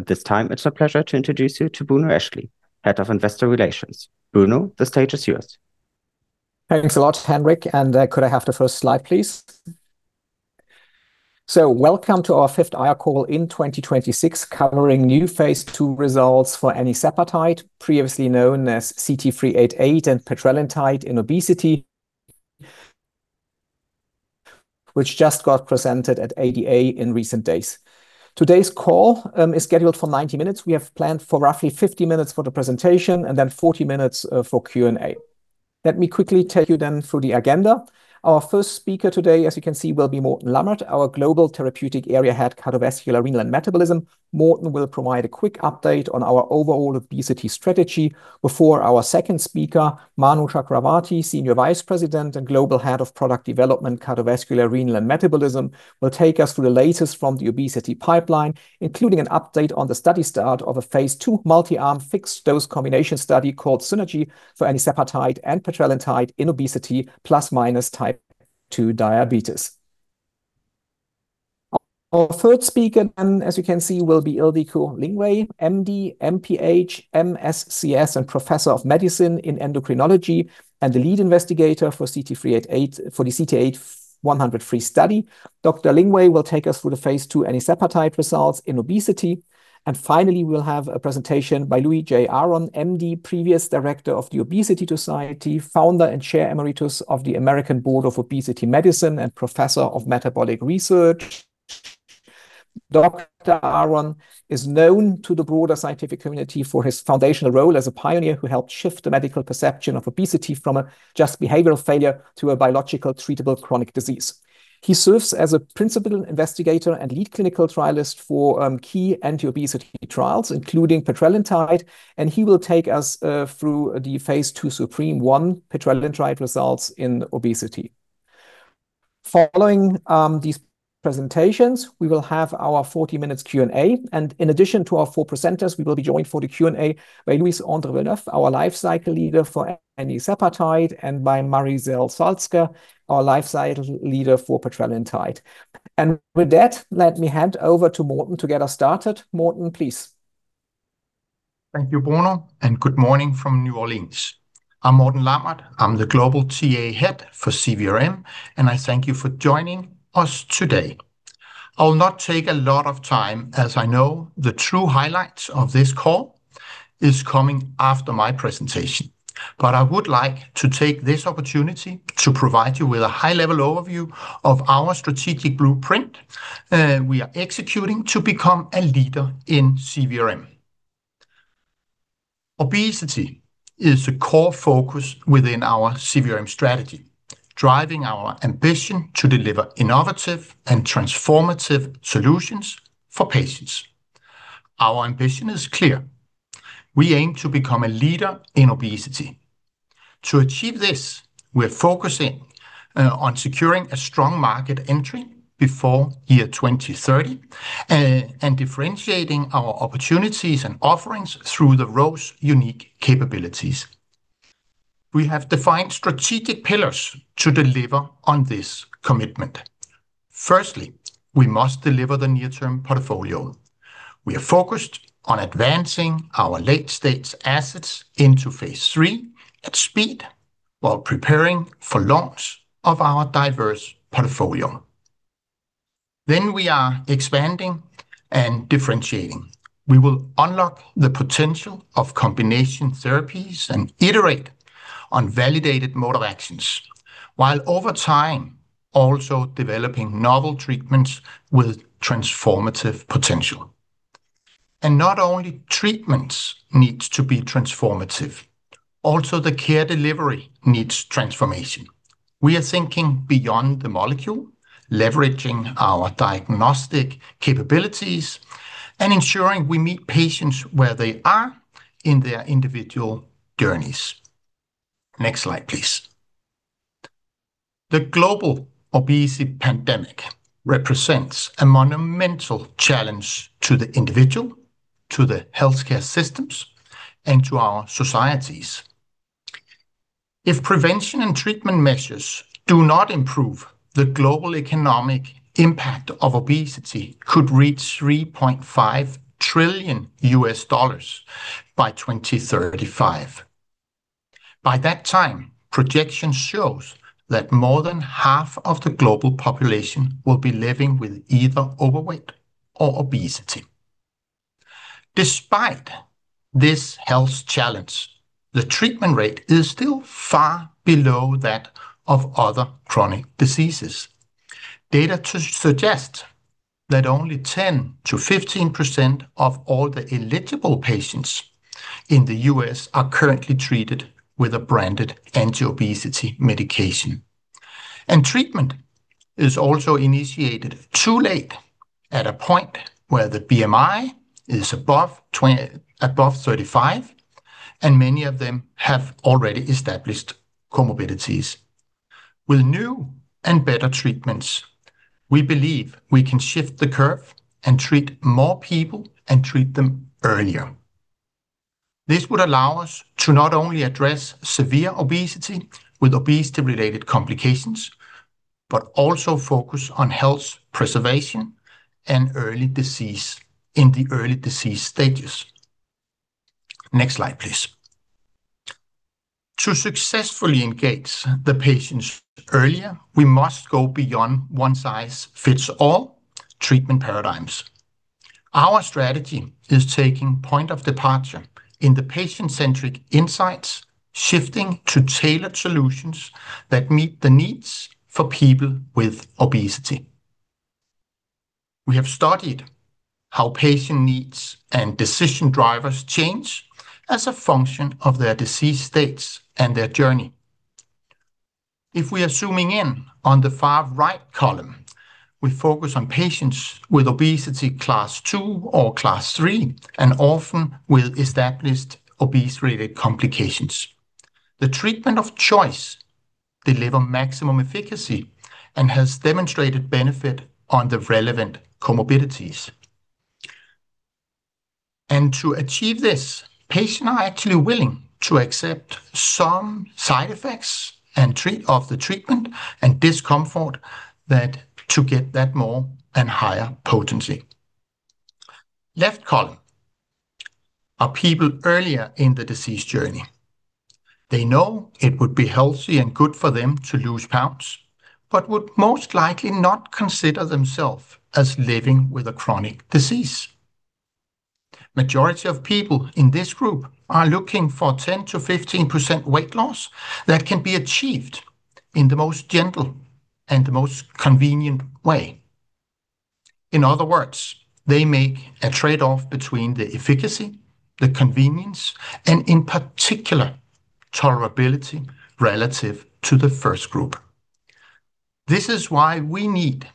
At this time, it's a pleasure to introduce you to Bruno Eschli, Head of Investor Relations. Bruno, the stage is yours. Thanks a lot, Henrik. Could I have the first slide, please? Welcome to our fifth IR call in 2026, covering new phase II results for enicepatide, previously known as CT-388 and petrelintide in obesity, which just got presented at ADA in recent days. Today's call is scheduled for 90 minutes. We have planned for roughly 50 minutes for the presentation, 40 minutes for Q&A. Let me quickly take you through the agenda. Our first speaker today, as you can see, will be Morten Lammert, our Global Therapeutic Area Head, Cardiovascular, Renal, and Metabolism. Morten will provide a quick update on our overall obesity strategy before our second speaker, Manu Chakravarthy, Senior Vice President and Global Head of Product Development, Cardiovascular, Renal, and Metabolism, will take us through the latest from the obesity pipeline, including an update on the study start of a phase II multi-arm fixed-dose combination study called SYNERGY for enicepatide and petrelintide in obesity plus minus type 2 diabetes. Our third speaker, as you can see, will be Ildiko Lingvay, M.D., M.P.H., M.S.C.S., and Professor of Medicine in Endocrinology, and the lead investigator for the CT-388-103 study. Dr. Lingvay will take us through the phase II enicepatide results in obesity. Finally, we'll have a presentation by Louis J. Aronne, M.D., previous director of The Obesity Society, Founder and Chair Emeritus of the American Board of Obesity Medicine, and Professor of Metabolic Research. Dr. Aronne is known to the broader scientific community for his foundational role as a pioneer who helped shift the medical perception of obesity from a just behavioral failure to a biological treatable chronic disease. He serves as a Principal Investigator and lead clinical trialist for key anti-obesity trials, including petrelintide, and he will take us through the phase II ZUPREME-1 petrelintide results in obesity. Following these presentations, we will have our 40 minutes Q&A. In addition to our four presenters, we will be joined for the Q&A by Luis Andre Villeneuve, our Life Cycle Leader for enicepatide, and by Marisel Salzgeber, our Life Cycle Leader for petrelintide. With that, let me hand over to Morten to get us started. Morten, please. Thank you, Bruno. Good morning from New Orleans. I'm Morten Lammert. I'm the Global TA Head for CVRM. I thank you for joining us today. I will not take a lot of time, as I know the true highlight of this call is coming after my presentation. I would like to take this opportunity to provide you with a high-level overview of our strategic blueprint we are executing to become a leader in CVRM. Obesity is a core focus within our CVRM strategy, driving our ambition to deliver innovative and transformative solutions for patients. Our ambition is clear. We aim to become a leader in obesity. To achieve this, we're focusing on securing a strong market entry before year 2030, differentiating our opportunities and offerings through the Roche unique capabilities. We have defined strategic pillars to deliver on this commitment. Firstly, we must deliver the near-term portfolio. We are focused on advancing our late-stage assets into phase III at speed while preparing for launch of our diverse portfolio. We are expanding and differentiating. We will unlock the potential of combination therapies and iterate on validated mode of actions, while over time, also developing novel treatments with transformative potential. Not only treatments need to be transformative. Also, the care delivery needs transformation. We are thinking beyond the molecule, leveraging our diagnostic capabilities, and ensuring we meet patients where they are in their individual journeys. Next slide, please. The global obesity pandemic represents a monumental challenge to the individual, to the healthcare systems, and to our societies. If prevention and treatment measures do not improve, the global economic impact of obesity could reach $3.5 trillion by 2035. By that time, projection shows that more than half of the global population will be living with either overweight or obesity. Despite this health challenge, the treatment rate is still far below that of other chronic diseases. Data suggest that only 10%-15% of all the eligible patients in the U.S. are currently treated with a branded anti-obesity medication. Treatment is also initiated too late at a point where the BMI is above 35, and many of them have already established comorbidities. With new and better treatments, we believe we can shift the curve and treat more people and treat them earlier. This would allow us to not only address severe obesity with obesity-related complications, but also focus on health preservation and in the early disease stages. Next slide, please. To successfully engage the patients earlier, we must go beyond one-size-fits-all treatment paradigms. Our strategy is taking point of departure in the patient-centric insights, shifting to tailored solutions that meet the needs for people with obesity. We have studied how patient needs and decision drivers change as a function of their disease states and their journey. If we are zooming in on the far right column, we focus on patients with obesity class II or class III, and often with established obesity-related complications. The treatment of choice delivers maximum efficacy and has demonstrated benefit on the relevant comorbidities. To achieve this, patients are actually willing to accept some side effects of the treatment and discomfort to get that more and higher potency. Left column are people earlier in the disease journey. They know it would be healthy and good for them to lose pounds, but would most likely not consider themselves as living with a chronic disease. Majority of people in this group are looking for 10%-15% weight loss that can be achieved in the most gentle and most convenient way. In other words, they make a trade-off between the efficacy, the convenience, and in particular, tolerability relative to the first group. This is why we need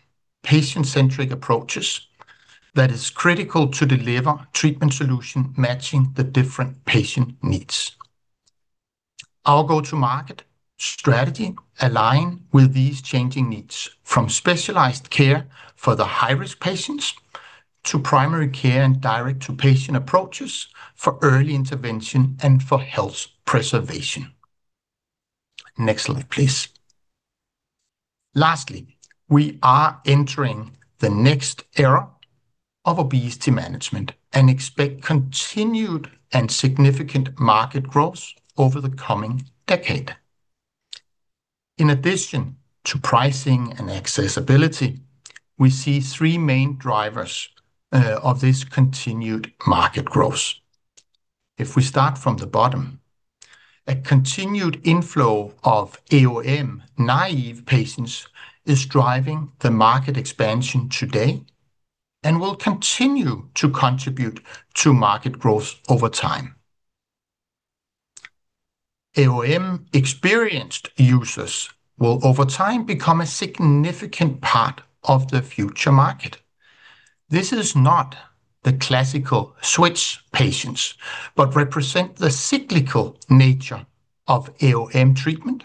patient-centric approaches that is critical to deliver treatment solution matching the different patient needs. Our go-to-market strategy aligns with these changing needs, from specialized care for the high-risk patients, to primary care and direct-to-patient approaches for early intervention and for health preservation. Next slide, please. Lastly, we are entering the next era of obesity management and expect continued and significant market growth over the coming decade. In addition to pricing and accessibility, we see three main drivers of this continued market growth. If we start from the bottom, a continued inflow of AOM-naive patients is driving the market expansion today and will continue to contribute to market growth over time. AOM-experienced users will, over time, become a significant part of the future market. This is not the classical switch patients, but represent the cyclical nature of AOM treatment,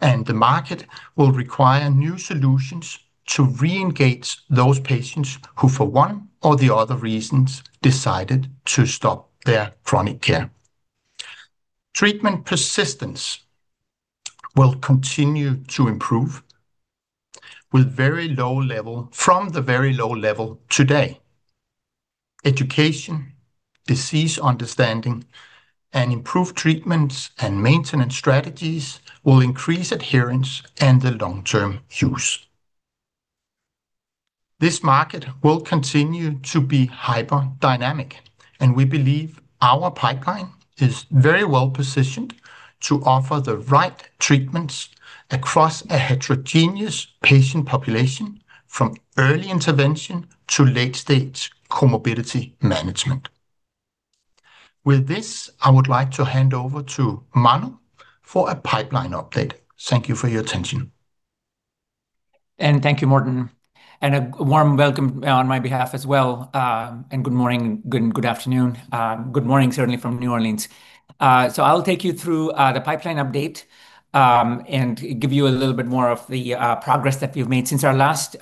and the market will require new solutions to re-engage those patients who, for one or the other reasons, decided to stop their chronic care. Treatment persistence will continue to improve from the very low level today. Education, disease understanding, and improved treatments and maintenance strategies will increase adherence and the long-term use. This market will continue to be hyper-dynamic, and we believe our pipeline is very well positioned to offer the right treatments across a heterogeneous patient population, from early intervention to late-stage comorbidity management. With this, I would like to hand over to Manu for a pipeline update. Thank you for your attention. Thank you, Morten, and a warm welcome on my behalf as well. Good morning, good afternoon. Good morning certainly from New Orleans. I'll take you through the pipeline update and give you a little bit more of the progress that we've made since our last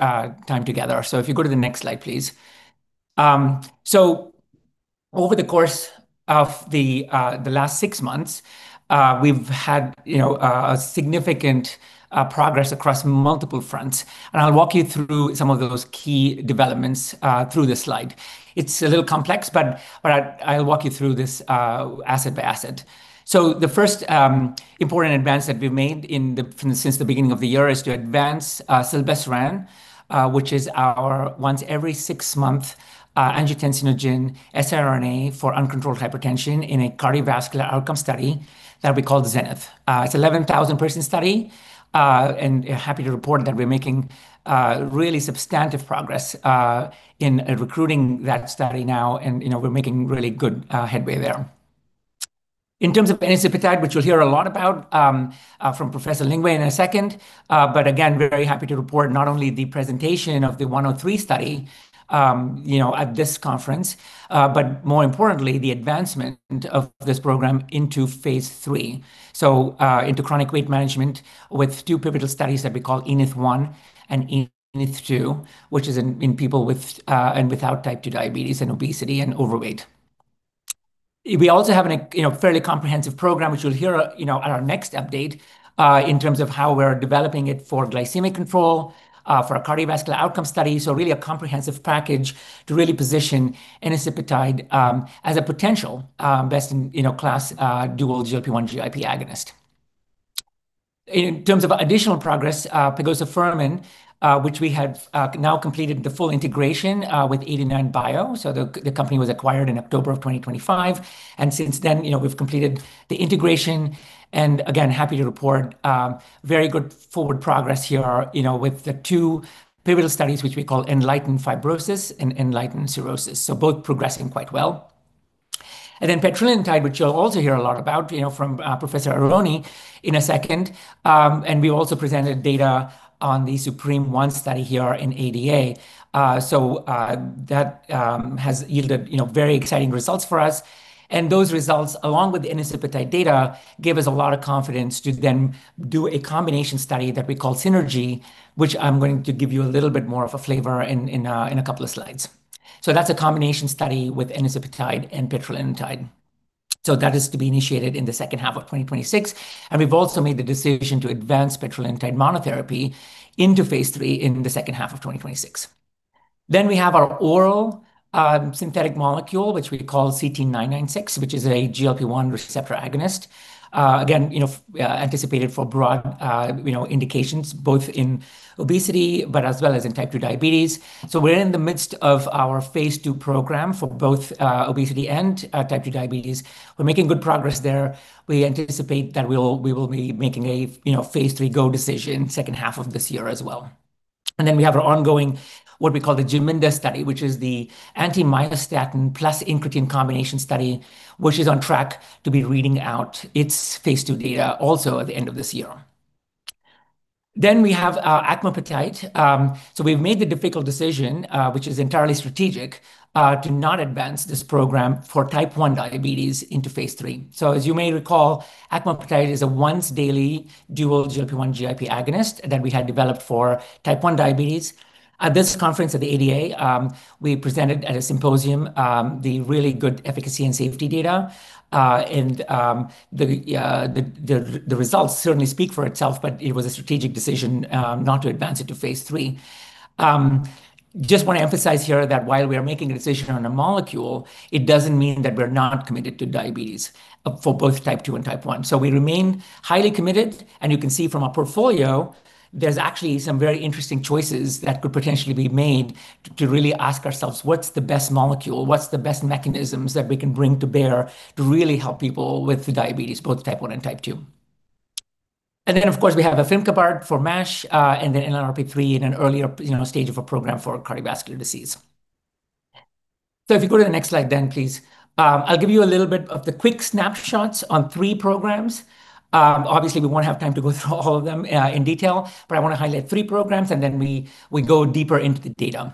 time together. If you go to the next slide, please. Over the course of the last six months, we've had significant progress across multiple fronts, and I'll walk you through some of those key developments through this slide. It's a little complex, but I'll walk you through this asset by asset. The first important advance that we've made since the beginning of the year is to advance zilebesiran, which is our once every six month angiotensinogen siRNA for uncontrolled hypertension in a cardiovascular outcome study that'll be called ZENITH. It's an 11,000-person study, and happy to report that we're making really substantive progress in recruiting that study now, and we're making really good headway there. In terms of enicepatide, which you'll hear a lot about from Professor Lingvay in a second. But again, very happy to report not only the presentation of the 103 study at this conference, but more importantly, the advancement of this program into phase III, so into chronic weight management with two pivotal studies that we call Enith1 and Enith2, which is in people with and without type 2 diabetes and obesity and overweight. We also have a fairly comprehensive program, which you'll hear at our next update, in terms of how we're developing it for glycemic control, for a cardiovascular outcome study. So really a comprehensive package to really position enicepatide as a potential best-in-class dual GLP-1/GIP agonist. In terms of additional progress, pegozafermin, which we have now completed the full integration with 89bio. The company was acquired in October 2025, and since then, we've completed the integration and again, happy to report very good forward progress here with the two pivotal studies, which we call ENLIGHTEN-Fibrosis and ENLIGHTEN-Cirrhosis, both progressing quite well. Petrelintide, which you'll also hear a lot about from Professor Aronne in a second, we also presented data on the ZUPREME-1 study here in ADA. That has yielded very exciting results for us. Those results, along with the enicepatide data, give us a lot of confidence to then do a combination study that we call SYNERGY, which I'm going to give you a little bit more of a flavor in a couple of slides. That's a combination study with enicepatide and petrelintide. That is to be initiated in the second half of 2026, and we've also made the decision to advance petrelintide monotherapy into phase III in the second half of 2026. We have our oral synthetic molecule, which we call CT-996, which is a GLP-1 receptor agonist. Anticipated for broad indications both in obesity but as well as in type 2 diabetes. We're in the midst of our phase II program for both obesity and type 2 diabetes. We're making good progress there. We anticipate that we will be making a phase III go decision second half of this year as well. We have our ongoing, what we call the GYMINDA study, which is the anti-myostatin plus incretin combination study, which is on track to be reading out its phase II data also at the end of this year. We have acmopatide. We've made the difficult decision, which is entirely strategic, to not advance this program for type 1 diabetes into phase III. As you may recall, acmopatide is a once-daily dual GLP-1/GIP agonist that we had developed for type 1 diabetes. At this conference at the ADA, we presented at a symposium, the really good efficacy and safety data, and the results certainly speak for itself, but it was a strategic decision not to advance it to phase III. I just want to emphasize here that while we are making a decision on a molecule, it doesn't mean that we're not committed to diabetes for both type 2 and type 1. We remain highly committed, and you can see from our portfolio, there's actually some very interesting choices that could potentially be made to really ask ourselves, what's the best molecule, what's the best mechanisms that we can bring to bear to really help people with diabetes, both type 1 and type 2. Then, of course, we have afimicabart for MASH, and then NLRP3 in an earlier stage of a program for cardiovascular disease. If you go to the next slide, please. I'll give you a little bit of the quick snapshots on three programs. Obviously, we won't have time to go through all of them in detail, but I want to highlight three programs, and then we go deeper into the data.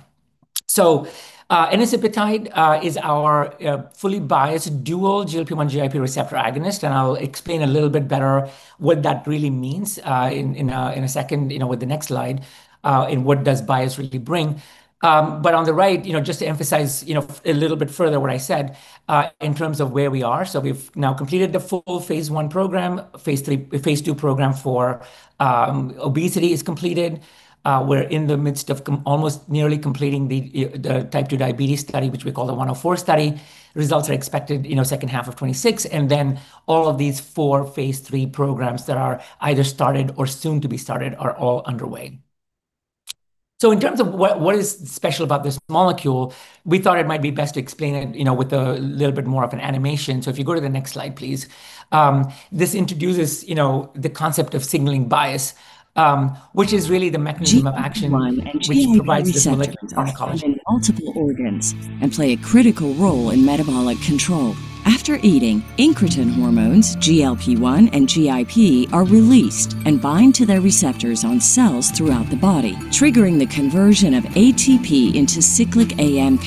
Enicepatide is our fully biased dual GLP-1/GIP receptor agonist. I'll explain a little bit better what that really means in a second with the next slide, and what does bias really bring. On the right, just to emphasize a little bit further what I said, in terms of where we are. We've now completed the full phase I program. Phase II program for obesity is completed. We're in the midst of almost nearly completing the type 2 diabetes study, which we call the 104 study. Results are expected second half of 2026. All of these four phase III programs that are either started or soon to be started are all underway. In terms of what is special about this molecule, we thought it might be best to explain it with a little bit more of an animation. If you go to the next slide, please. This introduces the concept of signaling bias, which is really the mechanism of action, which provides the selectivity. GLP-1 and GIP receptors are found in multiple organs and play a critical role in metabolic control. After eating, incretin hormones, GLP-1 and GIP, are released and bind to their receptors on cells throughout the body, triggering the conversion of ATP into cyclic AMP,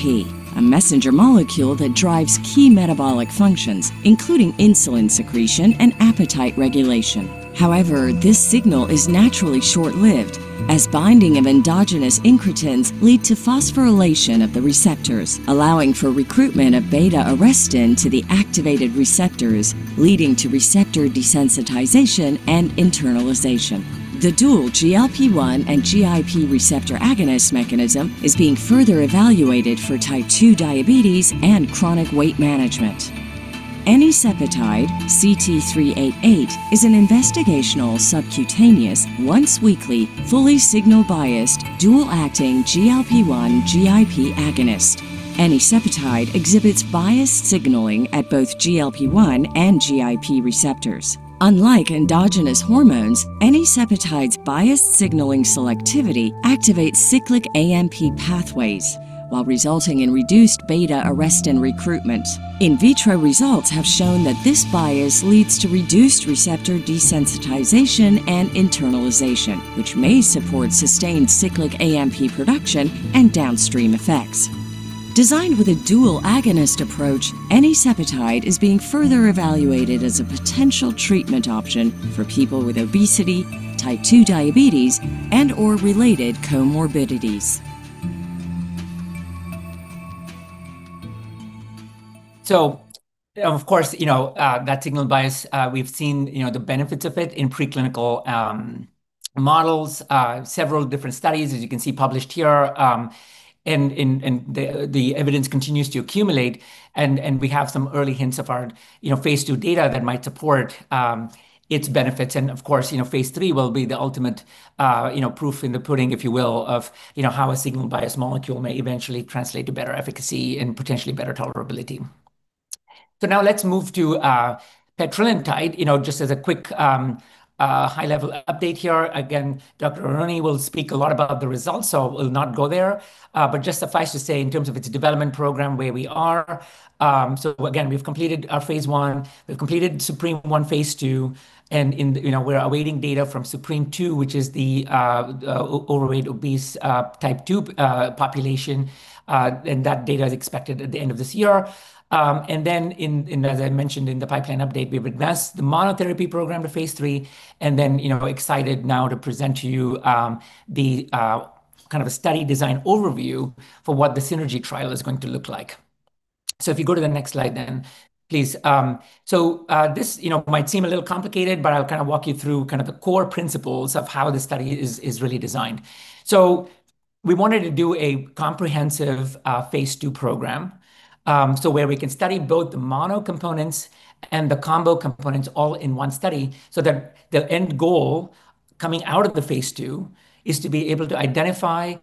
a messenger molecule that drives key metabolic functions, including insulin secretion and appetite regulation. However, this signal is naturally short-lived, as binding of endogenous incretins lead to phosphorylation of the receptors, allowing for recruitment of beta-arrestin to the activated receptors, leading to receptor desensitization and internalization. The dual GLP-1 and GIP receptor agonist mechanism is being further evaluated for type 2 diabetes and chronic weight management. Enicepatide, CT-388, is an investigational subcutaneous, once-weekly, fully signal-biased, dual-acting GLP-1/GIP agonist. Enicepatide exhibits biased signaling at both GLP-1 and GIP receptors. Unlike endogenous hormones, enicepatide's biased signaling selectivity activates cyclic AMP pathways while resulting in reduced beta-arrestin recruitment. In vitro results have shown that this bias leads to reduced receptor desensitization and internalization, which may support sustained cyclic AMP production and downstream effects. Designed with a dual agonist approach, enicepatide is being further evaluated as a potential treatment option for people with obesity, type 2 diabetes, and/or related comorbidities. That signal bias, we've seen the benefits of it in preclinical models, several different studies, as you can see published here, the evidence continues to accumulate, and we have some early hints of our phase II data that might support its benefits. Of course, phase III will be the ultimate proof in the pudding, if you will, of how a signal bias molecule may eventually translate to better efficacy and potentially better tolerability. Now let's move to petrelintide, just as a quick high-level update here. Again, Dr. Aronne will speak a lot about the results, we'll not go there. Just suffice to say, in terms of its development program, where we are. Again, we've completed our phase I, we've completed ZUPREME-1, phase II, and we're awaiting data from ZUPREME-2, which is the overweight, obese, type 2 population. That data is expected at the end of this year. As I mentioned in the pipeline update, we've advanced the monotherapy program to phase III, and excited now to present to you the study design overview for what the SYNERGY trial is going to look like. If you go to the next slide, then, please. This might seem a little complicated, but I'll walk you through the core principles of how the study is really designed. We wanted to do a comprehensive phase II program, where we can study both the mono components and the combo components all in one study, that the end goal coming out of the phase II is to be able to identify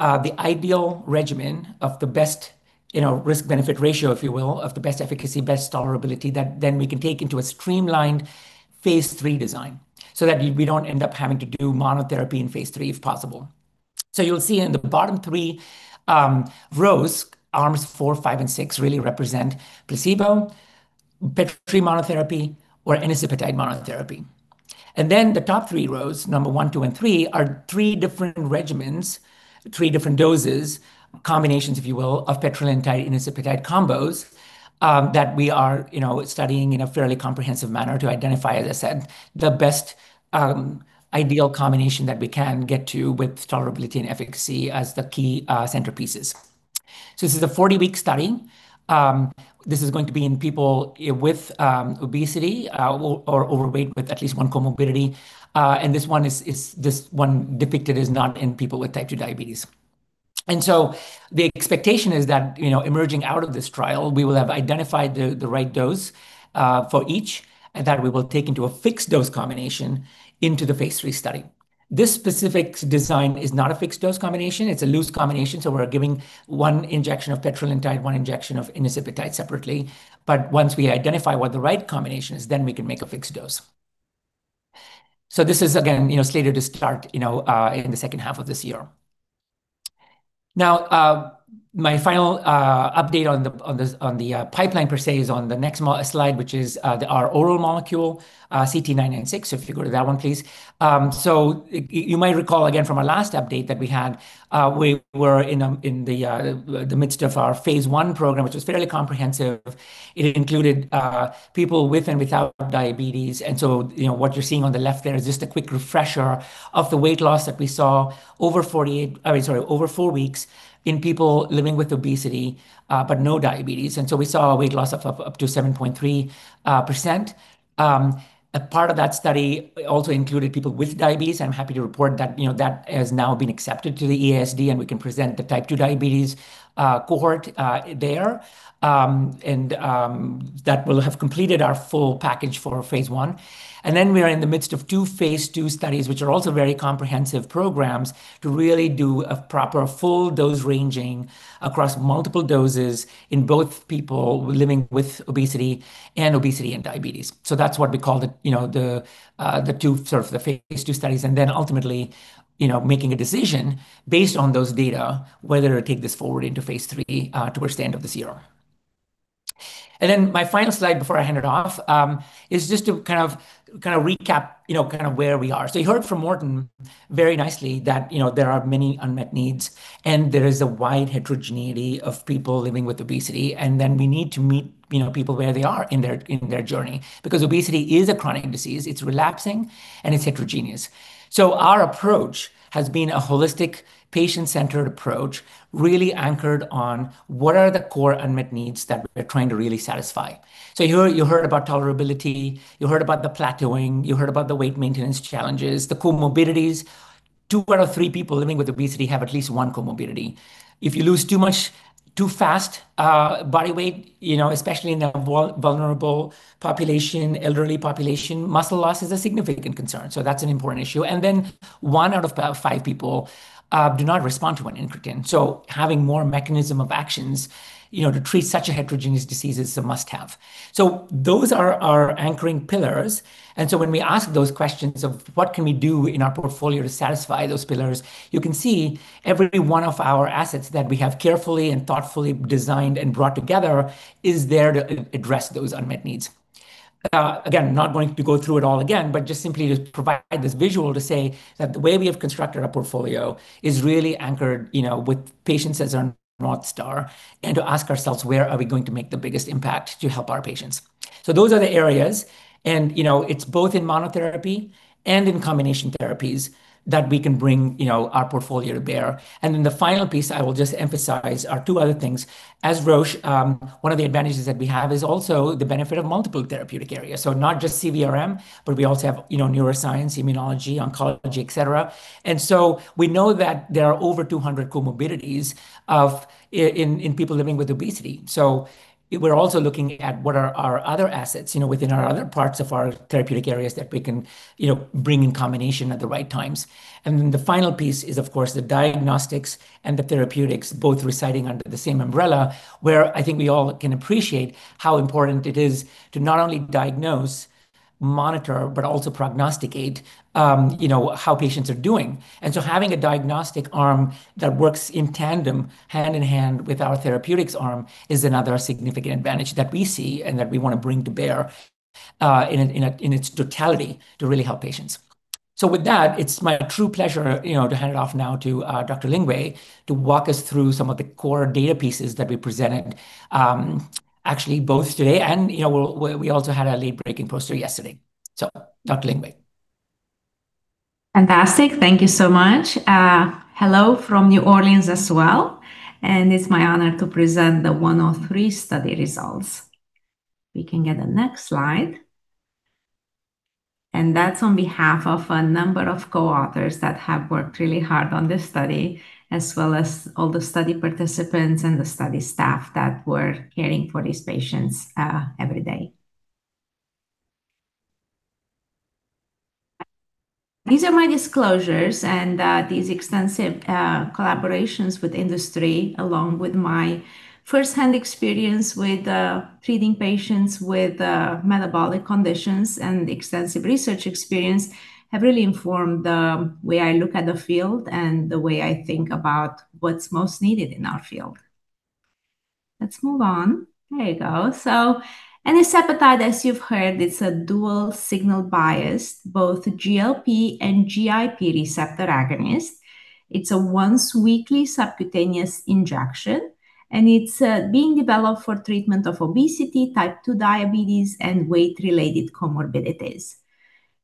the ideal regimen of the best risk-benefit ratio, if you will, of the best efficacy, best tolerability, that we can take into a streamlined phase III design that we don't end up having to do monotherapy in phase III if possible. You'll see in the bottom three rows, arms four, five, and six really represent placebo, petrelintide monotherapy, or enicepatide monotherapy. The top three rows, number one, two and three, are three different regimens, three different doses, combinations, if you will, of petrelintide/enicepatide combos that we are studying in a fairly comprehensive manner to identify, as I said, the best ideal combination that we can get to with tolerability and efficacy as the key centerpieces. This is a 40-week study. This is going to be in people with obesity or overweight with at least one comorbidity. This one depicted is not in people with type 2 diabetes. The expectation is that, emerging out of this trial, we will have identified the right dose for each, and that we will take into a fixed-dose combination into the phase III study. This specific design is not a fixed-dose combination. It's a loose combination, so we're giving one injection of petrelintide, one injection of enicepatide separately. Once we identify what the right combination is, we can make a fixed dose. This is, again, slated to start in the second half of this year. My final update on the pipeline per se is on the next slide, which is our oral molecule, CT-996. If you go to that one, please. You might recall again from our last update that we had, we were in the midst of our phase I program, which was fairly comprehensive. It included people with and without diabetes. What you're seeing on the left there is just a quick refresher of the weight loss that we saw over 4 weeks in people living with obesity, but no diabetes. We saw a weight loss of up to 7.3%. A part of that study also included people with diabetes. I'm happy to report that has now been accepted to the EASD, we can present the type 2 diabetes cohort there. That will have completed our full package for phase I. We are in the midst of 2 phase II studies, which are also very comprehensive programs to really do a proper full dose ranging across multiple doses in both people living with obesity and obesity and diabetes. That's what we call the 2 sort of the phase II studies. Ultimately making a decision based on those data, whether to take this forward into phase III towards the end of this year. My final slide before I hand it off is just to recap where we are. You heard from Morten very nicely that there are many unmet needs, and there is a wide heterogeneity of people living with obesity. We need to meet people where they are in their journey, because obesity is a chronic disease. It's relapsing, and it's heterogeneous. Our approach has been a holistic, patient-centered approach, really anchored on what are the core unmet needs that we're trying to really satisfy. You heard about tolerability, you heard about the plateauing, you heard about the weight maintenance challenges, the comorbidities. Two out of three people living with obesity have at least one comorbidity. If you lose too much, too fast body weight, especially in the vulnerable population, elderly population, muscle loss is a significant concern. That's an important issue. One out of five people do not respond to an incretin. Having more mechanism of actions to treat such a heterogeneous disease is a must-have. Those are our anchoring pillars. When we ask those questions of what can we do in our portfolio to satisfy those pillars, you can see every one of our assets that we have carefully and thoughtfully designed and brought together is there to address those unmet needs. Not going to go through it all again, but just simply to provide this visual to say that the way we have constructed our portfolio is really anchored with patients as our North Star. To ask ourselves where are we going to make the biggest impact to help our patients? Those are the areas, and it's both in monotherapy and in combination therapies that we can bring our portfolio to bear. The final piece I will just emphasize are two other things. Roche, one of the advantages that we have is also the benefit of multiple therapeutic areas. Not just CVRM, but we also have neuroscience, immunology, oncology, et cetera. We know that there are over 200 comorbidities in people living with obesity. We are also looking at what are our other assets within our other parts of our therapeutic areas that we can bring in combination at the right times. The final piece is, of course, the diagnostics and the therapeutics both residing under the same umbrella, where I think we all can appreciate how important it is to not only diagnose, monitor, but also prognosticate how patients are doing. Having a diagnostic arm that works in tandem hand-in-hand with our therapeutics arm is another significant advantage that we see and that we want to bring to bear in its totality to really help patients. With that, it is my true pleasure to hand it off now to Dr. Lingvay to walk us through some of the core data pieces that we presented, actually both today and we also had a late-breaking poster yesterday. Dr. Lingvay. Fantastic. Thank you so much. Hello from New Orleans as well, and it is my honor to present the CT-388-103 study results. We can get the next slide. That is on behalf of a number of co-authors that have worked really hard on this study, as well as all the study participants and the study staff that were caring for these patients every day. These are my disclosures and these extensive collaborations with industry, along with my first-hand experience with treating patients with metabolic conditions and extensive research experience, have really informed the way I look at the field and the way I think about what is most needed in our field. Let us move on. There you go. Enicepatide, as you have heard, it is a dual signal bias, both GLP and GIP receptor agonist. It is a once-weekly subcutaneous injection, and it is being developed for treatment of obesity, type 2 diabetes, and weight-related comorbidities.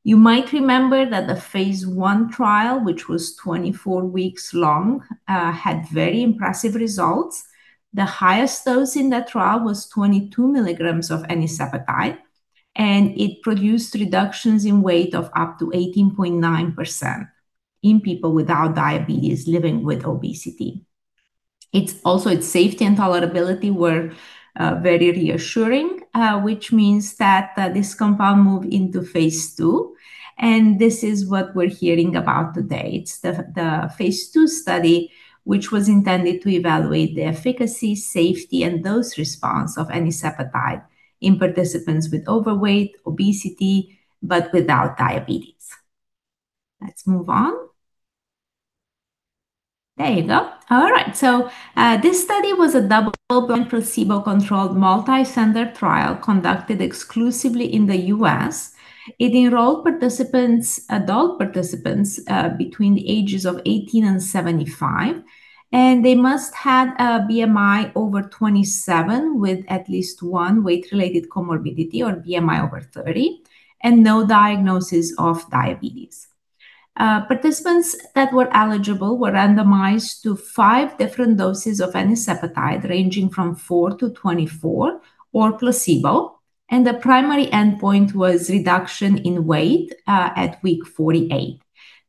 You might remember that the phase I trial, which was 24 weeks long, had very impressive results. The highest dose in that trial was 22 mg of enicepatide, and it produced reductions in weight of up to 18.9% in people without diabetes living with obesity. Also, its safety and tolerability were very reassuring, which means that this compound moved into phase II. This is what we are hearing about today. It is the phase II study, which was intended to evaluate the efficacy, safety, and dose response of enicepatide in participants with overweight obesity, but without diabetes. Let us move on. There you go. All right. This study was a double-blind, placebo-controlled, multi-center trial conducted exclusively in the U.S. It enrolled adult participants between the ages of 18 and 75. They must have a BMI over 27 with at least one weight-related comorbidity or BMI over 30, and no diagnosis of diabetes. Participants that were eligible were randomized to five different doses of enicepatide, ranging from four to 24 or placebo, and the primary endpoint was reduction in weight at week 48.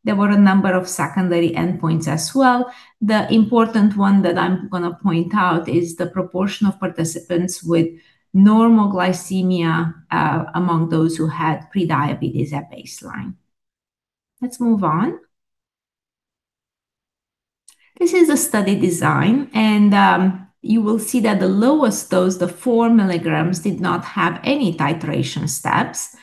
There were a number of secondary endpoints as well. The important one that I'm going to point out is the proportion of participants with normal glycemia among those who had pre-diabetes at baseline. Let's move on. This is a study design. You will see that the lowest dose, the 4 mg, did not have any titration steps.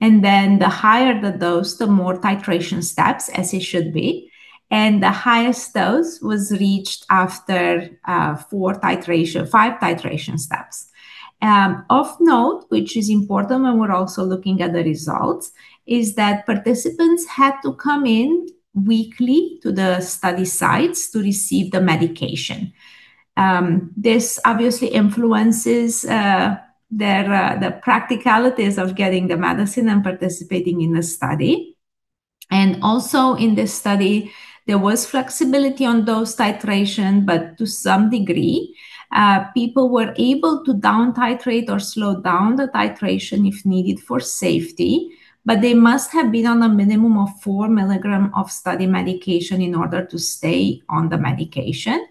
Then the higher the dose, the more titration steps, as it should be. The highest dose was reached after five titration steps Of note, which is important when we're also looking at the results, is that participants had to come in weekly to the study sites to receive the medication. This obviously influences the practicalities of getting the medicine and participating in the study. Also in this study, there was flexibility on dose titration, but to some degree. People were able to down titrate or slow down the titration if needed for safety, but they must have been on a minimum of 4 mg of study medication in order to stay on the medication.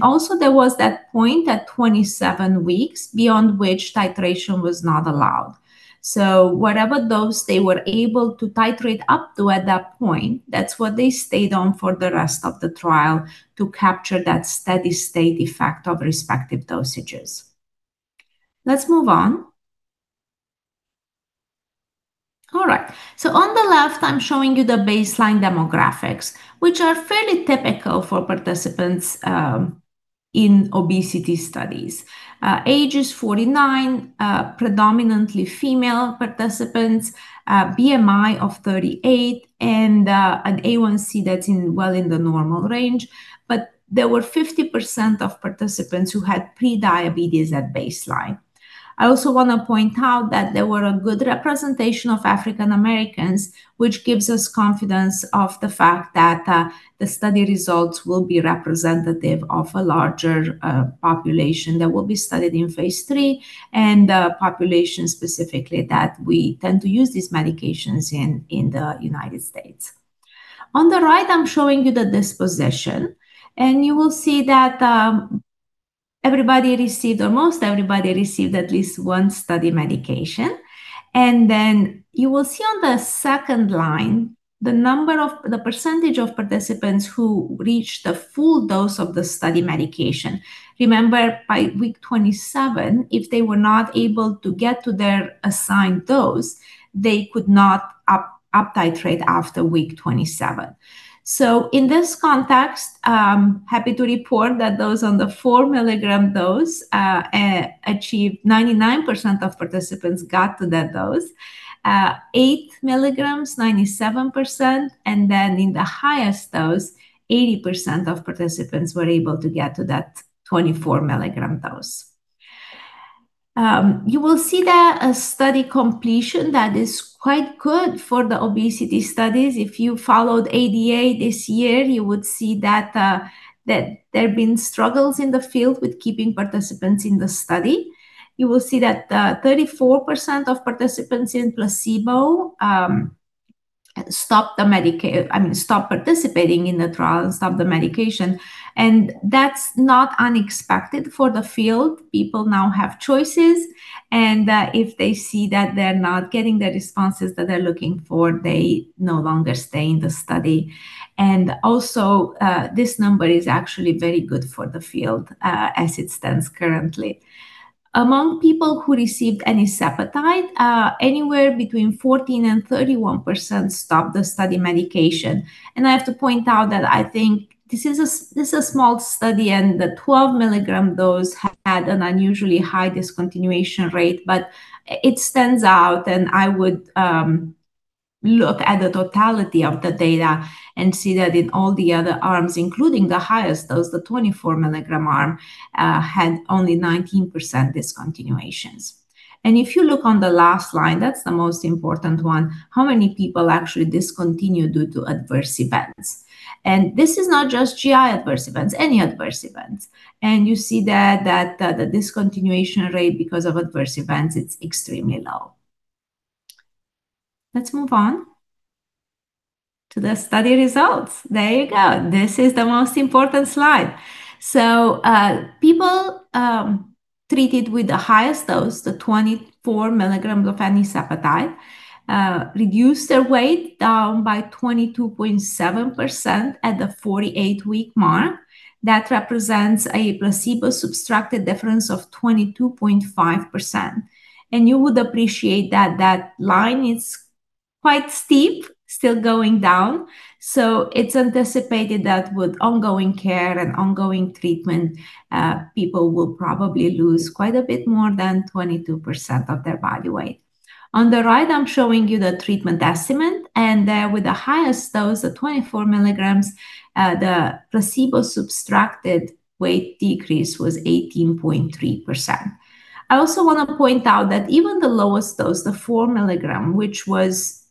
Also there was that point at 27 weeks beyond which titration was not allowed. Whatever dose they were able to titrate up to at that point, that's what they stayed on for the rest of the trial to capture that steady state effect of respective dosages. Let's move on. All right. On the left, I'm showing you the baseline demographics, which are fairly typical for participants in obesity studies. Ages 49, predominantly female participants, BMI of 38, and an A1C that's well in the normal range. There were 50% of participants who had pre-diabetes at baseline. I also want to point out that there were a good representation of African Americans, which gives us confidence of the fact that the study results will be representative of a larger population that will be studied in phase III, and the population specifically that we tend to use these medications in the United States. On the right, I'm showing you the disposition. You will see that everybody received, or most everybody received at least one study medication. Then you will see on the second line, the percentage of participants who reached the full dose of the study medication. Remember, by week 27, if they were not able to get to their assigned dose, they could not uptitrate after week 27. In this context, I'm happy to report that those on the 4 mg dose, 99% of participants got to that dose. 8 mg, 97%. Then in the highest dose, 80% of participants were able to get to that 24 mg dose. You will see there a study completion that is quite good for the obesity studies. If you followed ADA this year, you would see that there have been struggles in the field with keeping participants in the study. You will see that 34% of participants in placebo stopped participating in the trial and stopped the medication. That's not unexpected for the field. People now have choices and if they see that they're not getting the responses that they're looking for, they no longer stay in the study. This number is actually very good for the field as it stands currently. Among people who received enicepatide, anywhere between 14% and 31% stopped the study medication. I have to point out that I think this is a small study, and the 12-mg dose had an unusually high discontinuation rate, but it stands out and I would look at the totality of the data and see that in all the other arms, including the highest dose, the 24-mg arm had only 19% discontinuations. If you look on the last line, that's the most important one, how many people actually discontinue due to adverse events? This is not just GI adverse events, any adverse events. You see that the discontinuation rate because of adverse events, it's extremely low. Let's move on to the study results. There you go. This is the most important slide. People treated with the highest dose, the 24 mg of enicepatide, reduced their weight down by 22.7% at the 48-week mark. That represents a placebo-subtracted difference of 22.5%. You would appreciate that that line is quite steep, still going down, so it's anticipated that with ongoing care and ongoing treatment, people will probably lose quite a bit more than 22% of their body weight. On the right, I'm showing you the treatment estimate, and with the highest dose, the 24 mg, the placebo-subtracted weight decrease was 18.3%. I also want to point out that even the lowest dose, the 4 mg, which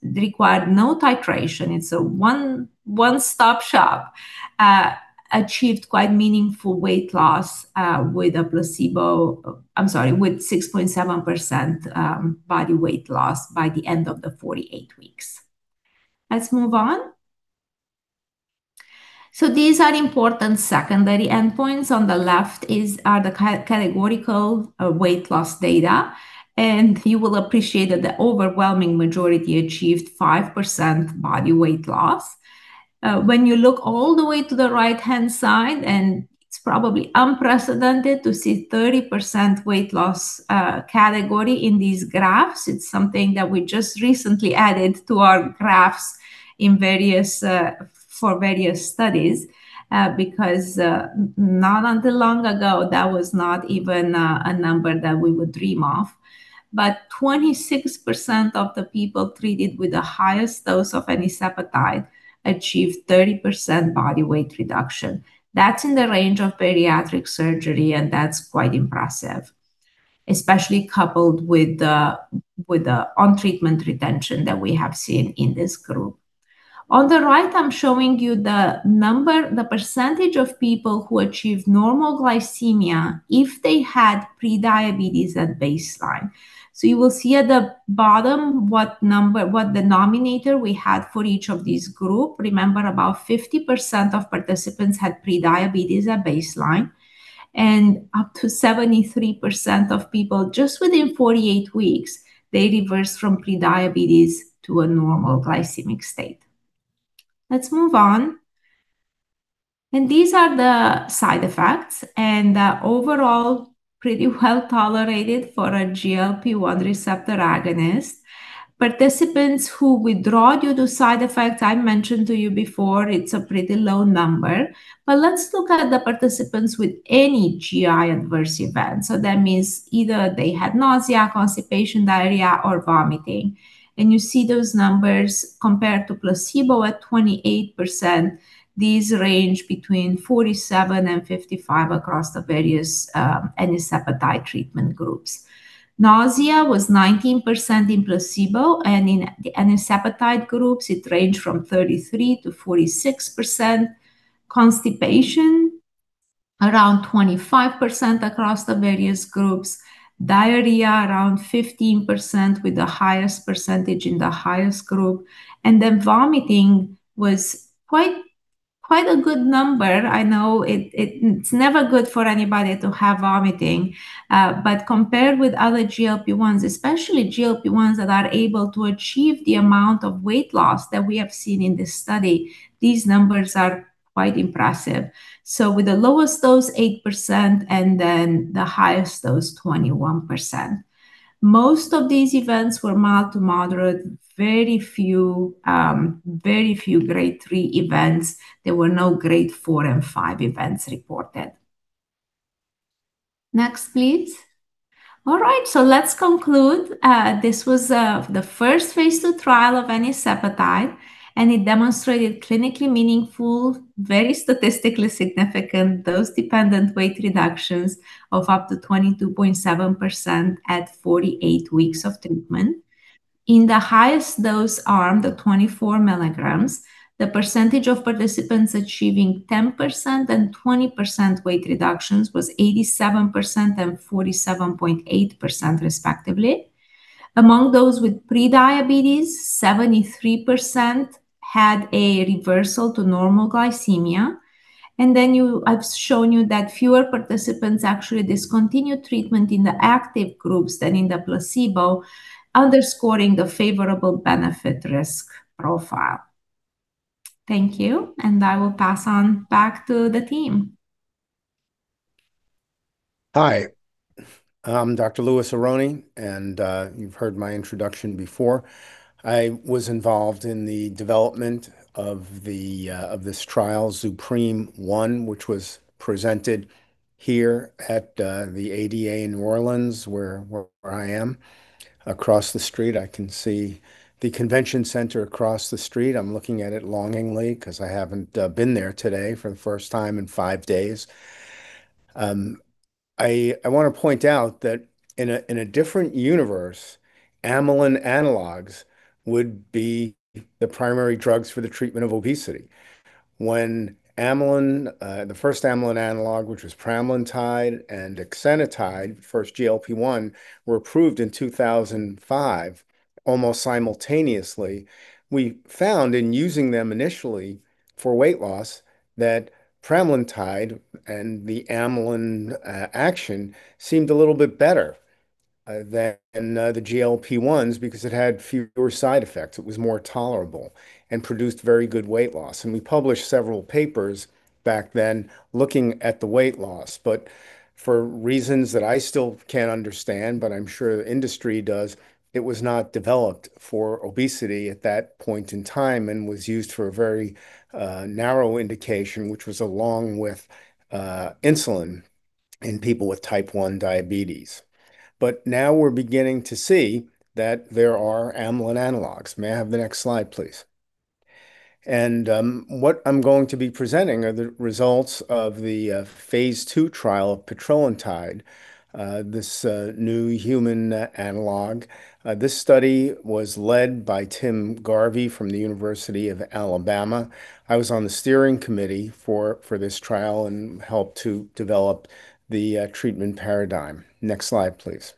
required no titration, it's a one-stop shop, achieved quite meaningful weight loss with 6.7% body weight loss by the end of the 48 weeks. Let's move on. These are important secondary endpoints. On the left are the categorical weight loss data, you will appreciate that the overwhelming majority achieved 5% body weight loss. When you look all the way to the right-hand side, it's probably unprecedented to see 30% weight loss category in these graphs. It's something that we just recently added to our graphs for various studies because not until long ago, that was not even a number that we would dream of. 26% of the people treated with the highest dose of enicepatide achieved 30% body weight reduction. That's in the range of bariatric surgery and that's quite impressive, especially coupled with the on-treatment retention that we have seen in this group. On the right, I'm showing you the percentage of people who achieved normal glycemia if they had pre-diabetes at baseline. You will see at the bottom what denominator we had for each of these group. Remember, about 50% of participants had pre-diabetes at baseline, and up to 73% of people, just within 48 weeks, they reversed from pre-diabetes to a normal glycemic state. Let's move on. These are the side effects, and overall pretty well tolerated for a GLP-1 receptor agonist. Participants who withdraw due to side effects, I mentioned to you before, it's a pretty low number. Let's look at the participants with any GI adverse events. That means either they had nausea, constipation, diarrhea, or vomiting. You see those numbers compared to placebo at 28%, these range between 47%-55% across the various enicepatide treatment groups. Nausea was 19% in placebo, and in enicepatide groups, it ranged from 33%-46%. Constipation, around 25% across the various groups. Diarrhea, around 15% with the highest percentage in the highest group. Vomiting was quite a good number. I know it's never good for anybody to have vomiting. Compared with other GLP-1s, especially GLP-1s that are able to achieve the amount of weight loss that we have seen in this study, these numbers are quite impressive. With the lowest dose, 8%, and then the highest dose, 21%. Most of these events were mild to moderate. Very few grade threee events. There were no grade four and five events reported. Next, please. All right, let's conclude. This was the first phase II trial of enicepatide, and it demonstrated clinically meaningful, very statistically significant dose-dependent weight reductions of up to 22.7% at 48 weeks of treatment. In the highest dose arm, the 24 mg, the percentage of participants achieving 10% and 20% weight reductions was 87% and 47.8%, respectively. Among those with pre-diabetes, 73% had a reversal to normal glycemia. I've shown you that fewer participants actually discontinued treatment in the active groups than in the placebo, underscoring the favorable benefit-risk profile. Thank you, I will pass on back to the team. Hi. I'm Dr. Louis Aronne, and you've heard my introduction before. I was involved in the development of this trial, ZUPREME-1, which was presented here at the ADA in New Orleans, where I am. Across the street, I can see the convention center across the street. I'm looking at it longingly because I haven't been there today for the first time in five days. I want to point out that in a different universe, amylin analogs would be the primary drugs for the treatment of obesity. When the first amylin analog, which was pramlintide, and exenatide, first GLP-1, were approved in 2005, almost simultaneously, we found in using them initially for weight loss that pramlintide and the amylin action seemed a little bit better than the GLP-1s because it had fewer side effects. It was more tolerable and produced very good weight loss. We published several papers back then looking at the weight loss. For reasons that I still can't understand, but I'm sure the industry does, it was not developed for obesity at that point in time and was used for a very narrow indication, which was along with insulin in people with type 1 diabetes. Now we're beginning to see that there are amylin analogs. May I have the next slide, please? What I'm going to be presenting are the results of the phase II trial of petrelintide, this new human analog. This study was led by Tim Garvey from The University of Alabama. I was on the steering committee for this trial and helped to develop the treatment paradigm. Next slide, please.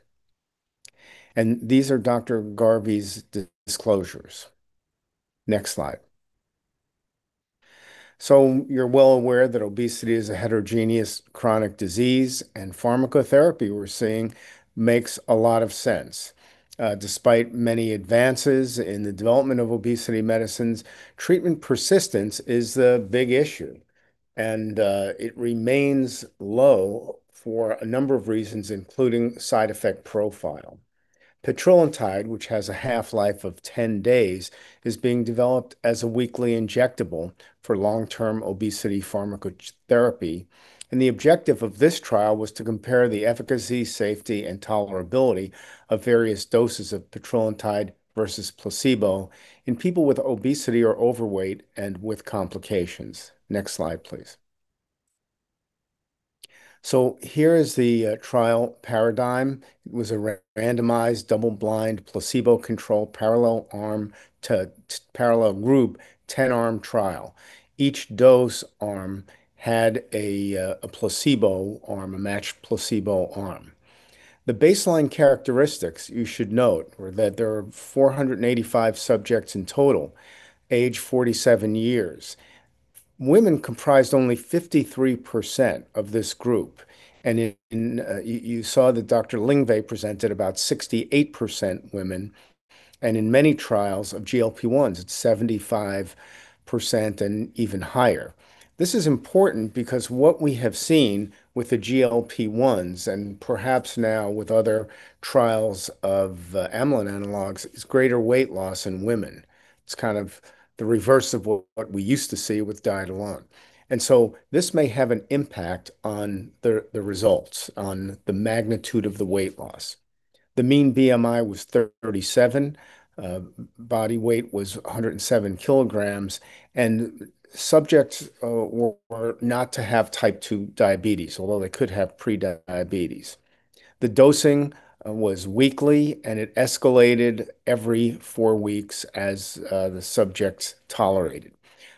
These are Dr. Garvey's disclosures. Next slide. You're well aware that obesity is a heterogeneous chronic disease, and pharmacotherapy, we're seeing, makes a lot of sense. Despite many advances in the development of obesity medicines, treatment persistence is the big issue, and it remains low for a number of reasons, including side effect profile. Petrelintide, which has a half-life of 10 days, is being developed as a weekly injectable for long-term obesity pharmacotherapy. The objective of this trial was to compare the efficacy, safety, and tolerability of various doses of petrelintide versus placebo in people with obesity or overweight and with complications. Next slide, please. Here is the trial paradigm. It was a randomized, double-blind, placebo-controlled, parallel arm to parallel group 10-arm trial. Each dose arm had a placebo arm, a matched placebo arm. The baseline characteristics you should note were that there are 485 subjects in total, age 47 years. Women comprised only 53% of this group, and you saw that Dr. Lingvay presented about 68% women, and in many trials of GLP-1s, it's 75% and even higher. This is important because what we have seen with the GLP-1s, and perhaps now with other trials of amylin analogs, is greater weight loss in women. It's kind of the reverse of what we used to see with diet alone. This may have an impact on the results, on the magnitude of the weight loss. The mean BMI was 37. Body weight was 107 kilograms. Subjects were not to have type 2 diabetes, although they could have pre-diabetes. The dosing was weekly, and it escalated every four weeks as the subjects tolerated.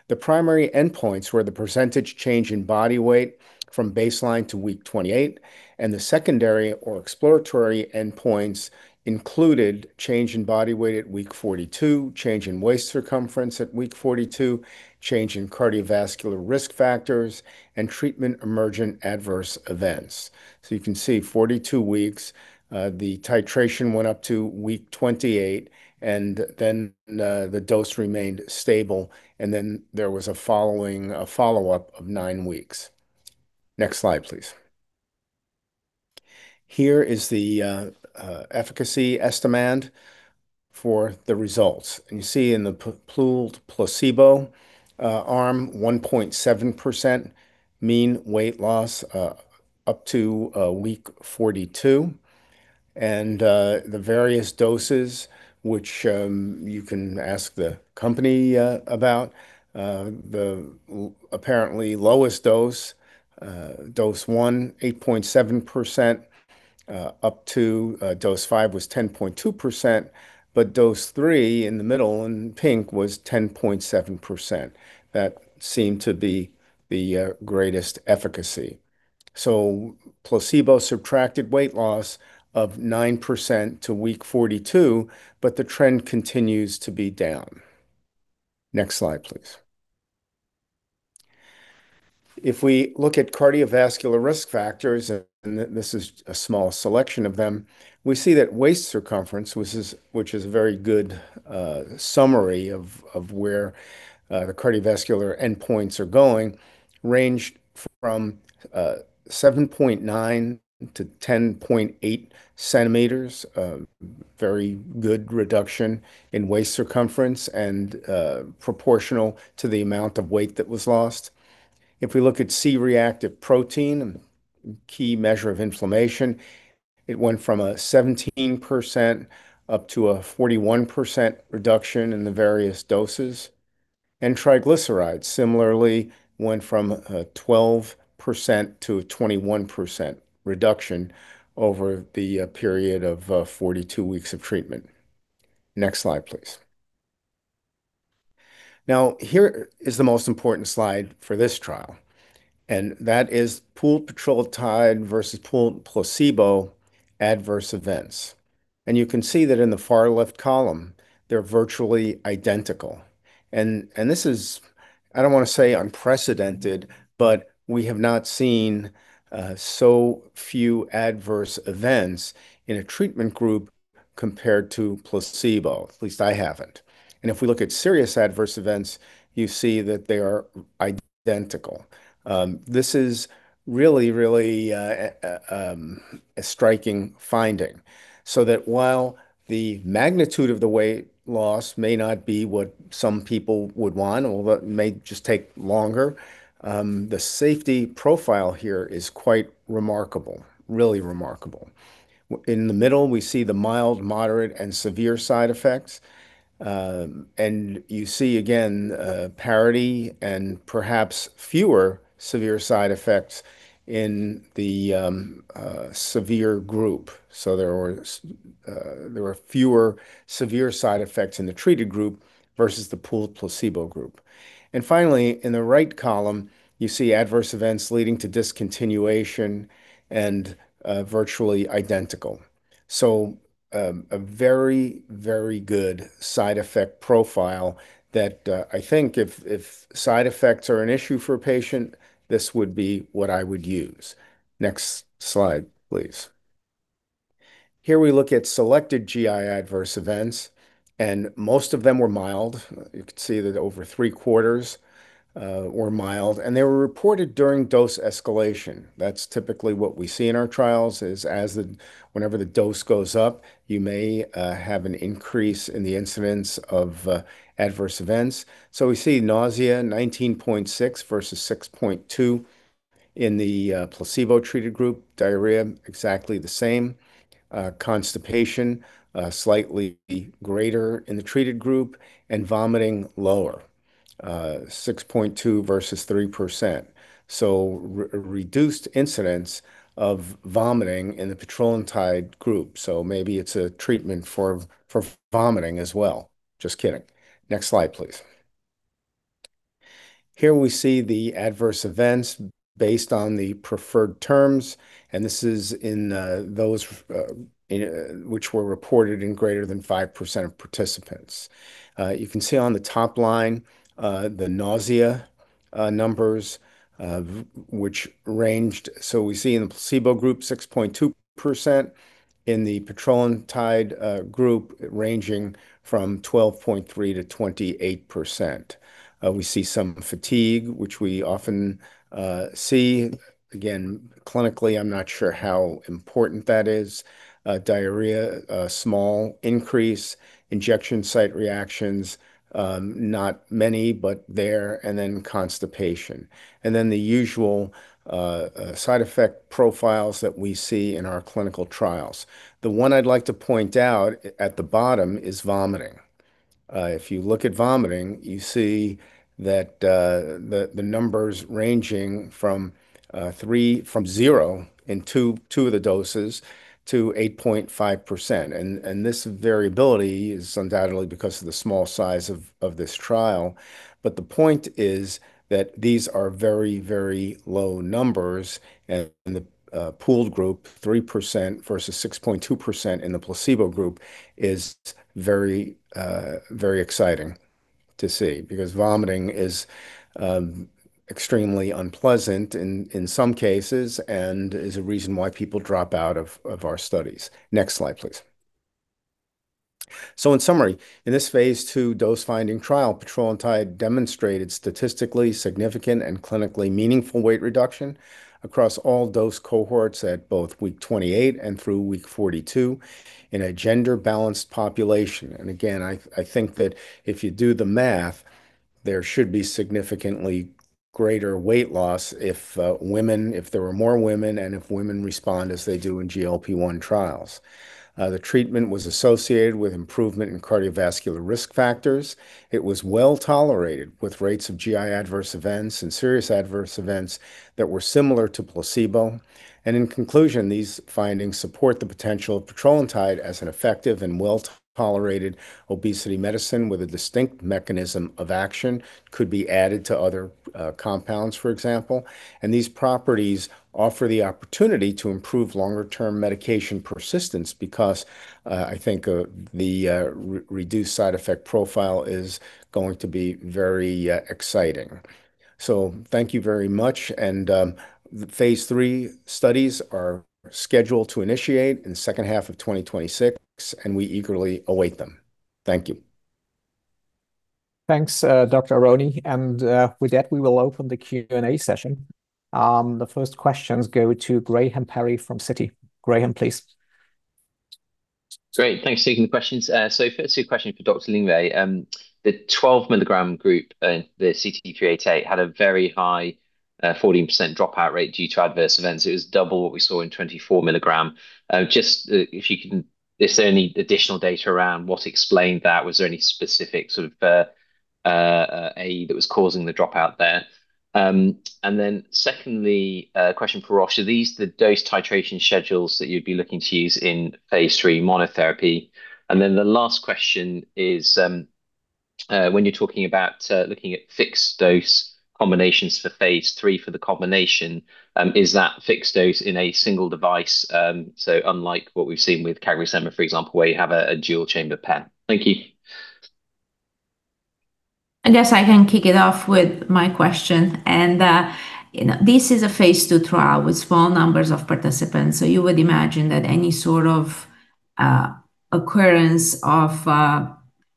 The primary endpoints were the percentage change in body weight from baseline to week 28, and the secondary or exploratory endpoints included change in body weight at week 42, change in waist circumference at week 42, change in cardiovascular risk factors, and treatment emergent adverse events. You can see 42 weeks, the titration went up to week 28, and then the dose remained stable, and then there was a follow-up of nine weeks. Next slide, please. Here is the efficacy estimand for the results. You see in the pooled placebo arm, 1.7% mean weight loss up to week 42. The various doses, which you can ask the company about. The apparently lowest dose 1, 8.7%, up to dose 5 was 10.2%, but dose 3 in the middle in pink was 10.7%. That seemed to be the greatest efficacy. Placebo subtracted weight loss of 9% to week 42, but the trend continues to be down. Next slide, please. If we look at cardiovascular risk factors, and this is a small selection of them, we see that waist circumference, which is a very good summary of where the cardiovascular endpoints are going, ranged from 7.9-10.8 cm. A very good reduction in waist circumference and proportional to the amount of weight that was lost. If we look at C-reactive protein, a key measure of inflammation, it went from a 17%-41% reduction in the various doses. Triglycerides similarly went from a 12%-21% reduction over the period of 42 weeks of treatment. Next slide, please. Here is the most important slide for this trial, and that is pooled petrelintide versus pooled placebo adverse events. You can see that in the far left column, they are virtually identical. This is, I don't want to say unprecedented, but we have not seen so few adverse events in a treatment group compared to placebo, at least I haven't. If we look at serious adverse events, you see that they are identical. This is really, really a striking finding. While the magnitude of the weight loss may not be what some people would want, or it may just take longer, the safety profile here is quite remarkable. Really remarkable. In the middle, we see the mild, moderate, and severe side effects. You see again parity and perhaps fewer severe side effects in the severe group. There were fewer severe side effects in the treated group versus the pooled placebo group. Finally, in the right column, you see adverse events leading to discontinuation and virtually identical. A very, very good side effect profile that I think if side effects are an issue for a patient, this would be what I would use. Next slide, please. Here we look at selected GI adverse events. Most of them were mild. You can see that over three-quarters were mild. They were reported during dose escalation. That is typically what we see in our trials is whenever the dose goes up, you may have an increase in the incidence of adverse events. We see nausea, 19.6% versus 6.2% in the placebo-treated group. Diarrhea, exactly the same. Constipation, slightly greater in the treated group. Vomiting lower, 6.2% versus 3%. Reduced incidence of vomiting in the petrelintide group. Maybe it is a treatment for vomiting as well. Just kidding. Next slide, please. Here we see the adverse events based on the preferred terms. This is in those which were reported in greater than 5% of participants. You can see on the top line the nausea numbers which ranged. We see in the placebo group 6.2%, in the petrelintide group ranging from 12.3%-28%. We see some fatigue, which we often see. Again, clinically, I am not sure how important that is. Diarrhea, a small increase. Injection site reactions, not many, but there. Constipation. The usual side effect profiles that we see in our clinical trials. The one I would like to point out at the bottom is vomiting. If you look at vomiting, you see the numbers ranging from zero in two of the doses to 8.5%. This variability is undoubtedly because of the small size of this trial. The point is that these are very, very low numbers. The pooled group, 3% versus 6.2% in the placebo group is very exciting to see because vomiting is extremely unpleasant in some cases and is a reason why people drop out of our studies. Next slide, please. In summary, in this phase II dose-finding trial, petrelintide demonstrated statistically significant and clinically meaningful weight reduction across all dose cohorts at both week 28 and through week 42 in a gender-balanced population. Again, I think that if you do the math, there should be significantly greater weight loss if there were more women and if women respond as they do in GLP-1 trials. The treatment was associated with improvement in cardiovascular risk factors. It was well-tolerated, with rates of GI adverse events and serious adverse events that were similar to placebo. In conclusion, these findings support the potential of petrelintide as an effective and well-tolerated obesity medicine with a distinct mechanism of action could be added to other compounds, for example. These properties offer the opportunity to improve longer-term medication persistence because I think the reduced side effect profile is going to be very exciting. Thank you very much. Phase III studies are scheduled to initiate in the second half of 2026, and we eagerly await them. Thank you. Thanks, Dr. Aronne. With that, we will open the Q&A session. The first questions go to Graham Parry from Citi. Graham, please. Great. Thanks for taking the questions. First two questions for Dr. Lingvay. The 12 mg group in the CT-388 had a very high, 14% dropout rate due to adverse events. It was double what we saw in 24 mg. Is there any additional data around what explained that? Was there any specific sort of AE that was causing the dropout there? Then secondly, a question for Roche. Are these the dose titration schedules that you'd be looking to use in phase III monotherapy? Then the last question is, when you're talking about looking at fixed dose combinations for phase III for the combination, is that fixed dose in a single device? Unlike what we've seen with CagriSema, for example, where you have a dual-chamber pen. Thank you. I guess I can kick it off with my question. This is a phase II trial with small numbers of participants. You would imagine that any sort of occurrence of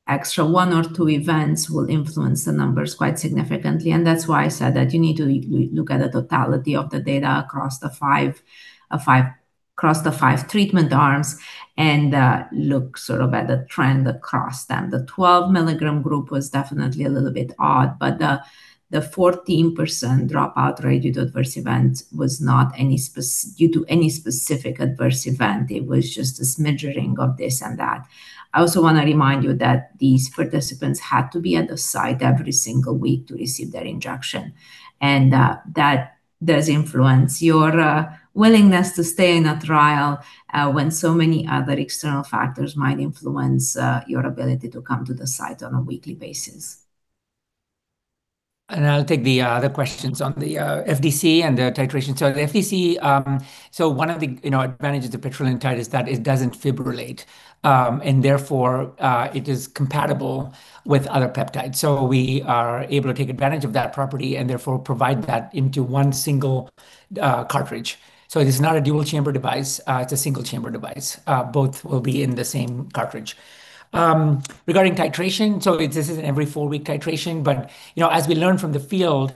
extra one or two events will influence the numbers quite significantly. That's why I said that you need to look at the totality of the data across the five treatment arms and look sort of at the trend across them. The 12 mg group was definitely a little bit odd, but the 14% dropout rate due to adverse events was not due to any specific adverse event. It was just a smattering of this and that. I also want to remind you that these participants had to be at the site every single week to receive their injection. That does influence your willingness to stay in a trial when so many other external factors might influence your ability to come to the site on a weekly basis. I'll take the other questions on the FDC and the titration. The FDC, one of the advantages of petrelintide is that it doesn't fibrillate. Therefore, it is compatible with other peptides. We are able to take advantage of that property and therefore provide that into one single cartridge. It is not a dual-chamber device. It's a single-chamber device. Both will be in the same cartridge. Regarding titration, this isn't every four-week titration, but as we learn from the field,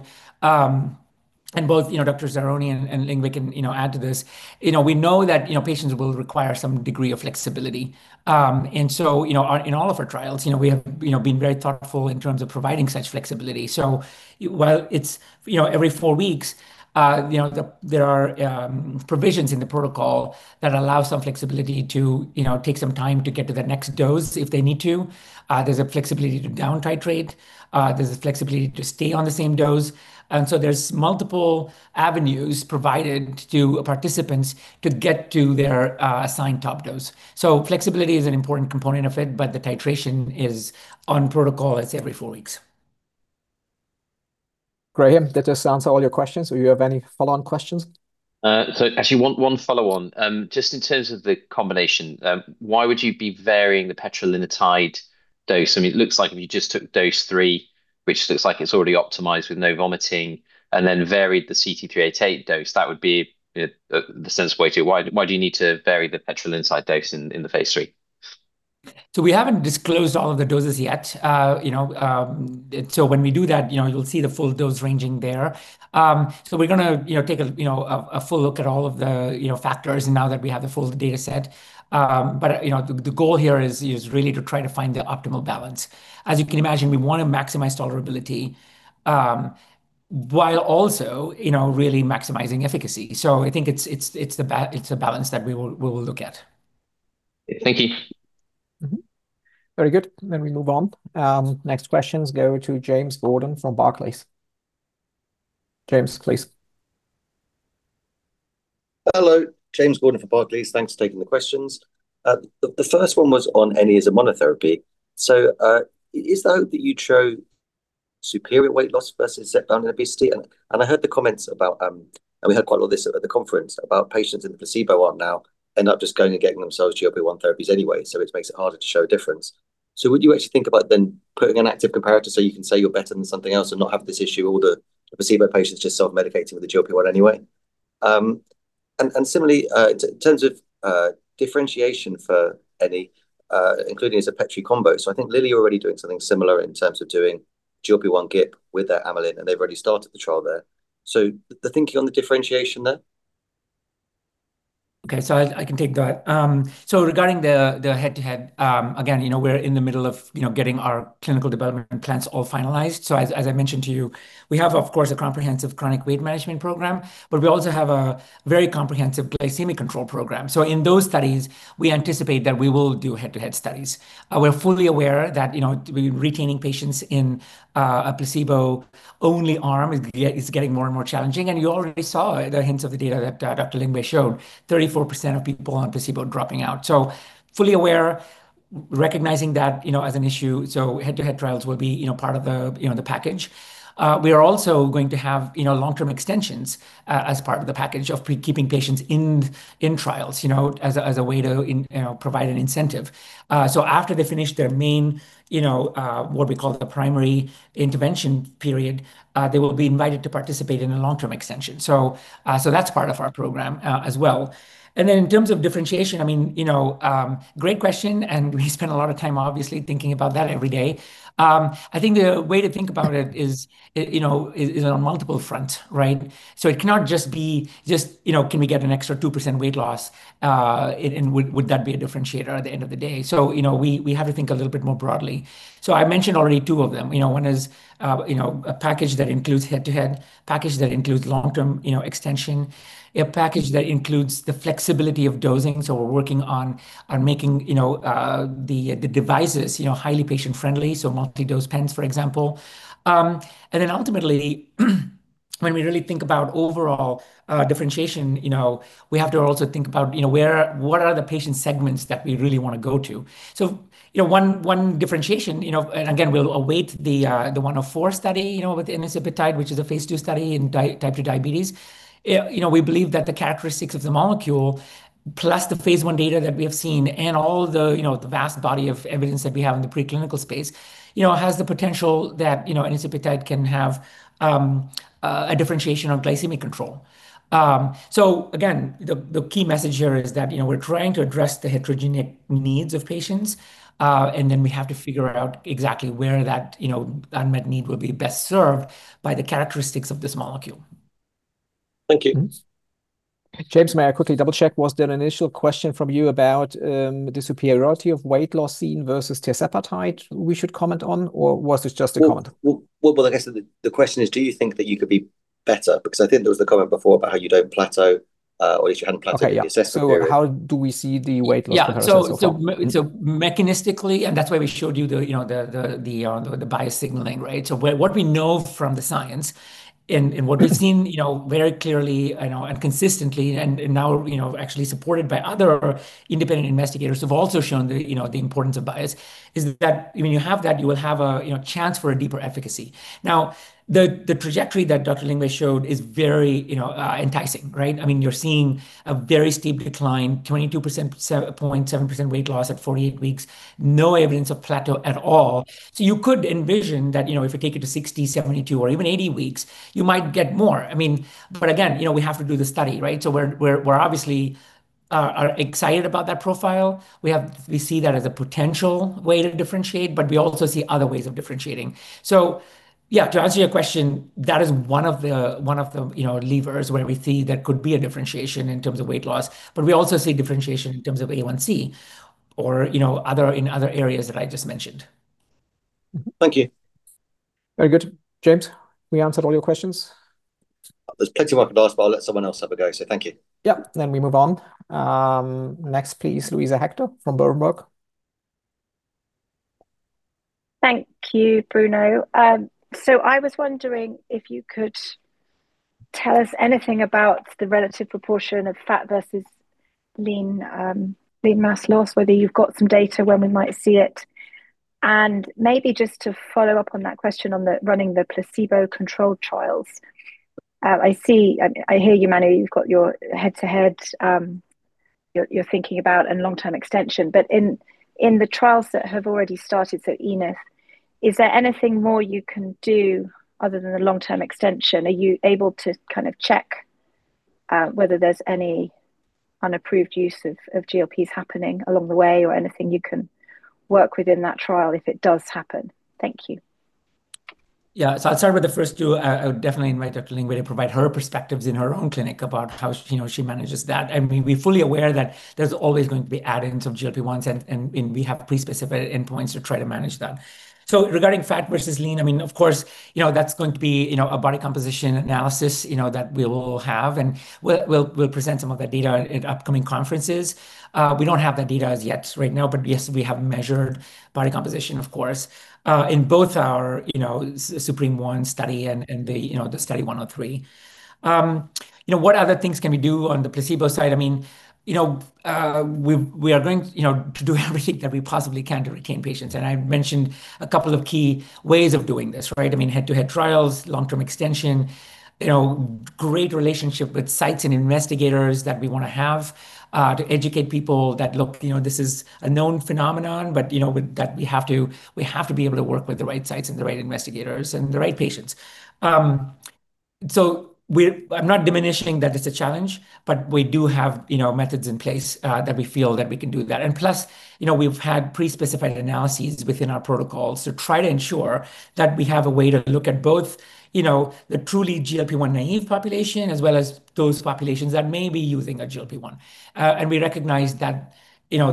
and both Drs. Aronne and Lingvay can add to this, we know that patients will require some degree of flexibility. In all of our trials, we have been very thoughtful in terms of providing such flexibility. While it's every four weeks, there are provisions in the protocol that allow some flexibility to take some time to get to the next dose if they need to. There's a flexibility to down titrate. There's a flexibility to stay on the same dose. There's multiple avenues provided to participants to get to their assigned top dose. Flexibility is an important component of it, but the titration is on protocol. It's every four weeks. Graham, did this answer all your questions, or you have any follow-on questions? Actually, one follow on. Just in terms of the combination, why would you be varying the petrelintide dose? It looks like when you just took dose three, which looks like it's already optimized with no vomiting, and then varied the CT-388 dose, that would be the sense way to it. Why do you need to vary the petrelintide dose in the phase III? We haven't disclosed all of the doses yet. When we do that, you'll see the full dose ranging there. We're going to take a full look at all of the factors now that we have the full data set. The goal here is really to try to find the optimal balance. As you can imagine, we want to maximize tolerability, while also really maximizing efficacy. I think it's a balance that we will look at. Thank you. Very good. We move on. Next questions go to James Gordon from Barclays. James, please. Hello. James Gordon from Barclays. Thanks for taking the questions. The first one was on enicepatide as a monotherapy. Is it though that you'd show superior weight loss versus semaglutide in obesity? We had quite a lot of this at the conference, about patients in the placebo arm now end up just going and getting themselves GLP-1 therapies anyway, so it makes it harder to show a difference. Would you actually think about then putting an active comparator so you can say you're better than something else and not have this issue, all the placebo patients just self-medicating with the GLP-1 anyway? Similarly, in terms of differentiation for enicepatide including as a petrelintide combo. I think Lilly are already doing something similar in terms of doing GLP-1 GIP with their amylin, and they've already started the trial there. The thinking on the differentiation there? Okay. I can take that. Regarding the head-to-head, again, we're in the middle of getting our clinical development plans all finalized. As I mentioned to you, we have, of course, a comprehensive chronic weight management program, but we also have a very comprehensive glycemic control program. In those studies, we anticipate that we will do head-to-head studies. We're fully aware that retaining patients in a placebo-only arm is getting more and more challenging, and you already saw the hints of the data that Dr. Lingvay showed, 34% of people on placebo dropping out. Fully aware, recognizing that as an issue. Head-to-head trials will be part of the package. We are also going to have long-term extensions as part of the package of keeping patients in trials as a way to provide an incentive. After they finish their main, what we call the primary intervention period, they will be invited to participate in a long-term extension. That's part of our program as well. In terms of differentiation, great question, and we spend a lot of time obviously thinking about that every day. I think the way to think about it is on multiple fronts, right? It cannot just be can we get an extra 2% weight loss, and would that be a differentiator at the end of the day? We have to think a little bit more broadly. I mentioned already two of them. One is a package that includes head-to-head, package that includes long-term extension, a package that includes the flexibility of dosing. We're working on making the devices highly patient-friendly, multi-dose pens, for example. Ultimately, when we really think about overall differentiation, we have to also think about what are the patient segments that we really want to go to. One differentiation, and again, we'll await the 104 study with the enicepatide, which is a phase II study in type 2 diabetes. We believe that the characteristics of the molecule, plus the phase I data that we have seen and all the vast body of evidence that we have in the preclinical space, has the potential that enicepatide can have a differentiation on glycemic control. The key message here is that we're trying to address the heterogenic needs of patients, and then we have to figure out exactly where that unmet need will be best served by the characteristics of this molecule. Thank you. James, may I quickly double-check, was there an initial question from you about the superiority of weight loss seen versus tirzepatide we should comment on, or was this just a comment? Well, I guess the question is do you think that you could be better? I think there was the comment before about how you don't plateau, or at least you hadn't plateaued in the assessment period. Okay. How do we see the weight loss comparison so far? Yeah. Mechanistically, that's why we showed you the bias signaling, right? What we know from the science and what we've seen very clearly and consistently, now actually supported by other independent investigators who have also shown the importance of bias, is that when you have that, you will have a chance for a deeper efficacy. Now, the trajectory that Dr. Lingvay showed is very enticing, right? You're seeing a very steep decline, 22.7% weight loss at 48 weeks. No evidence of plateau at all. You could envision that if we take it to 60, 72, or even 80 weeks, you might get more. Again, we have to do the study, right? We're obviously excited about that profile. We see that as a potential way to differentiate. We also see other ways of differentiating. Yeah, to answer your question, that is one of the levers where we see there could be a differentiation in terms of weight loss. We also see differentiation in terms of A1C or in other areas that I just mentioned. Thank you. Very good. James, we answered all your questions? There's plenty more I could ask, but I'll let someone else have a go. Thank you. Yep. We move on. Next please, Luisa Hector from Berenberg. Thank you, Bruno. I was wondering if you could tell us anything about the relative proportion of fat versus lean mass loss, whether you've got some data when we might see it. Maybe just to follow up on that question on the running the placebo-controlled trials. I hear you, Manu, you've got your head-to-head, you're thinking about a long-term extension. In the trials that have already started, Enith, is there anything more you can do other than the long-term extension? Are you able to check whether there's any unapproved use of GLPs happening along the way or anything you can work with in that trial if it does happen? Thank you. I'll start with the first two. I would definitely invite Dr. Lingvay to provide her perspectives in her own clinic about how she manages that. We're fully aware that there's always going to be add-ins of GLP-1s, and we have pre-specified endpoints to try to manage that. Regarding fat versus lean, of course, that's going to be a body composition analysis that we will have, and we'll present some of that data at upcoming conferences. We don't have that data as yet right now, but yes, we have measured body composition, of course, in both our ZUPREME-1 study and the CT-388-103 study. What other things can we do on the placebo side? We are going to do everything that we possibly can to retain patients, and I mentioned a couple of key ways of doing this, right? Head-to-head trials, long-term extension, great relationship with sites and investigators that we want to have to educate people that, look, this is a known phenomenon, we have to be able to work with the right sites and the right investigators and the right patients. I'm not diminishing that it's a challenge, we do have methods in place that we feel that we can do that. Plus, we've had pre-specified analyses within our protocols to try to ensure that we have a way to look at both the truly GLP-1 naive population, as well as those populations that may be using a GLP-1. We recognize that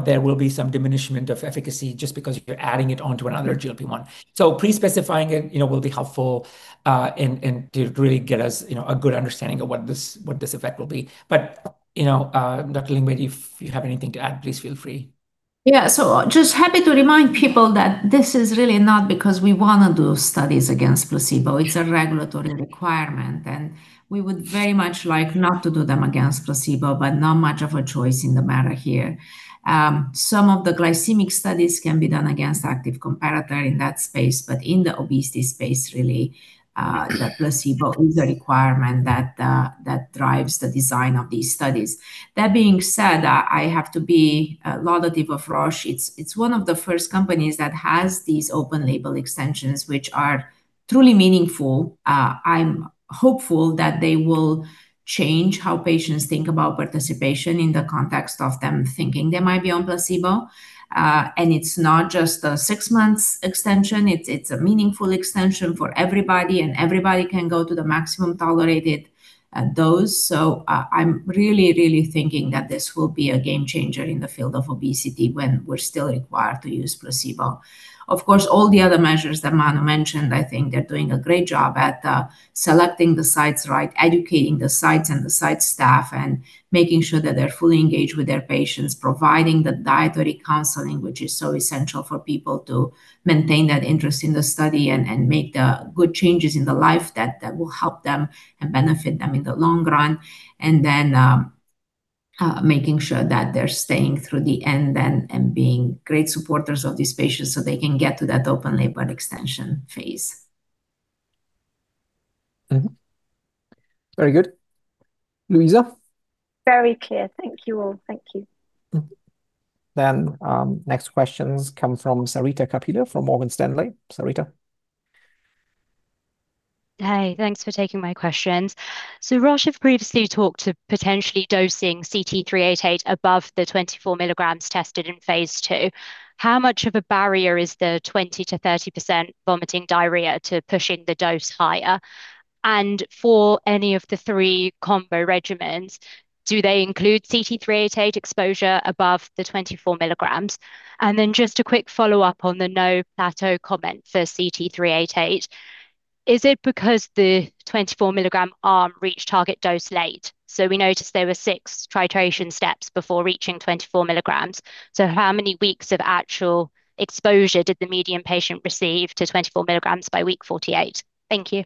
there will be some diminishment of efficacy just because you're adding it onto another GLP-1. Pre-specifying it will be helpful to really get us a good understanding of what this effect will be. Dr. Lingvay, if you have anything to add, please feel free. Just happy to remind people that this is really not because we want to do studies against placebo. It's a regulatory requirement, we would very much like not to do them against placebo, not much of a choice in the matter here. Some of the glycemic studies can be done against active comparator in that space. In the obesity space, really, the placebo is a requirement that drives the design of these studies. That being said, I have to be laudative of Roche. It's one of the first companies that has these open-label extensions, which are truly meaningful. I'm hopeful that they will change how patients think about participation in the context of them thinking they might be on placebo. It's not just a six-month extension. It's a meaningful extension for everybody, and everybody can go to the maximum tolerated dose. I'm really thinking that this will be a game changer in the field of obesity when we're still required to use placebo. Of course, all the other measures that Manu mentioned, I think they're doing a great job at selecting the sites right, educating the sites and the site staff, and making sure that they're fully engaged with their patients, providing the dietary counseling, which is so essential for people to maintain that interest in the study and make the good changes in the life that will help them and benefit them in the long run. Making sure that they're staying through the end then and being great supporters of these patients so they can get to that open label extension phase. Very good. Luisa? Very clear. Thank you all. Thank you. Next questions come from Sarita Kapila from Morgan Stanley. Sarita? Hi, thanks for taking my questions. Roche have previously talked to potentially dosing CT-388 above the 24 mg tested in phase II. How much of a barrier is the 20%-30% vomiting, diarrhea to pushing the dose higher? For any of the three combo regimens, do they include CT-388 exposure above the 24 mg? Just a quick follow-up on the no plateau comment for CT-388. Is it because the 24-mg arm reached target dose late? We noticed there were six titration steps before reaching 24 mg. How many weeks of actual exposure did the median patient receive to 24 mg by week 48? Thank you.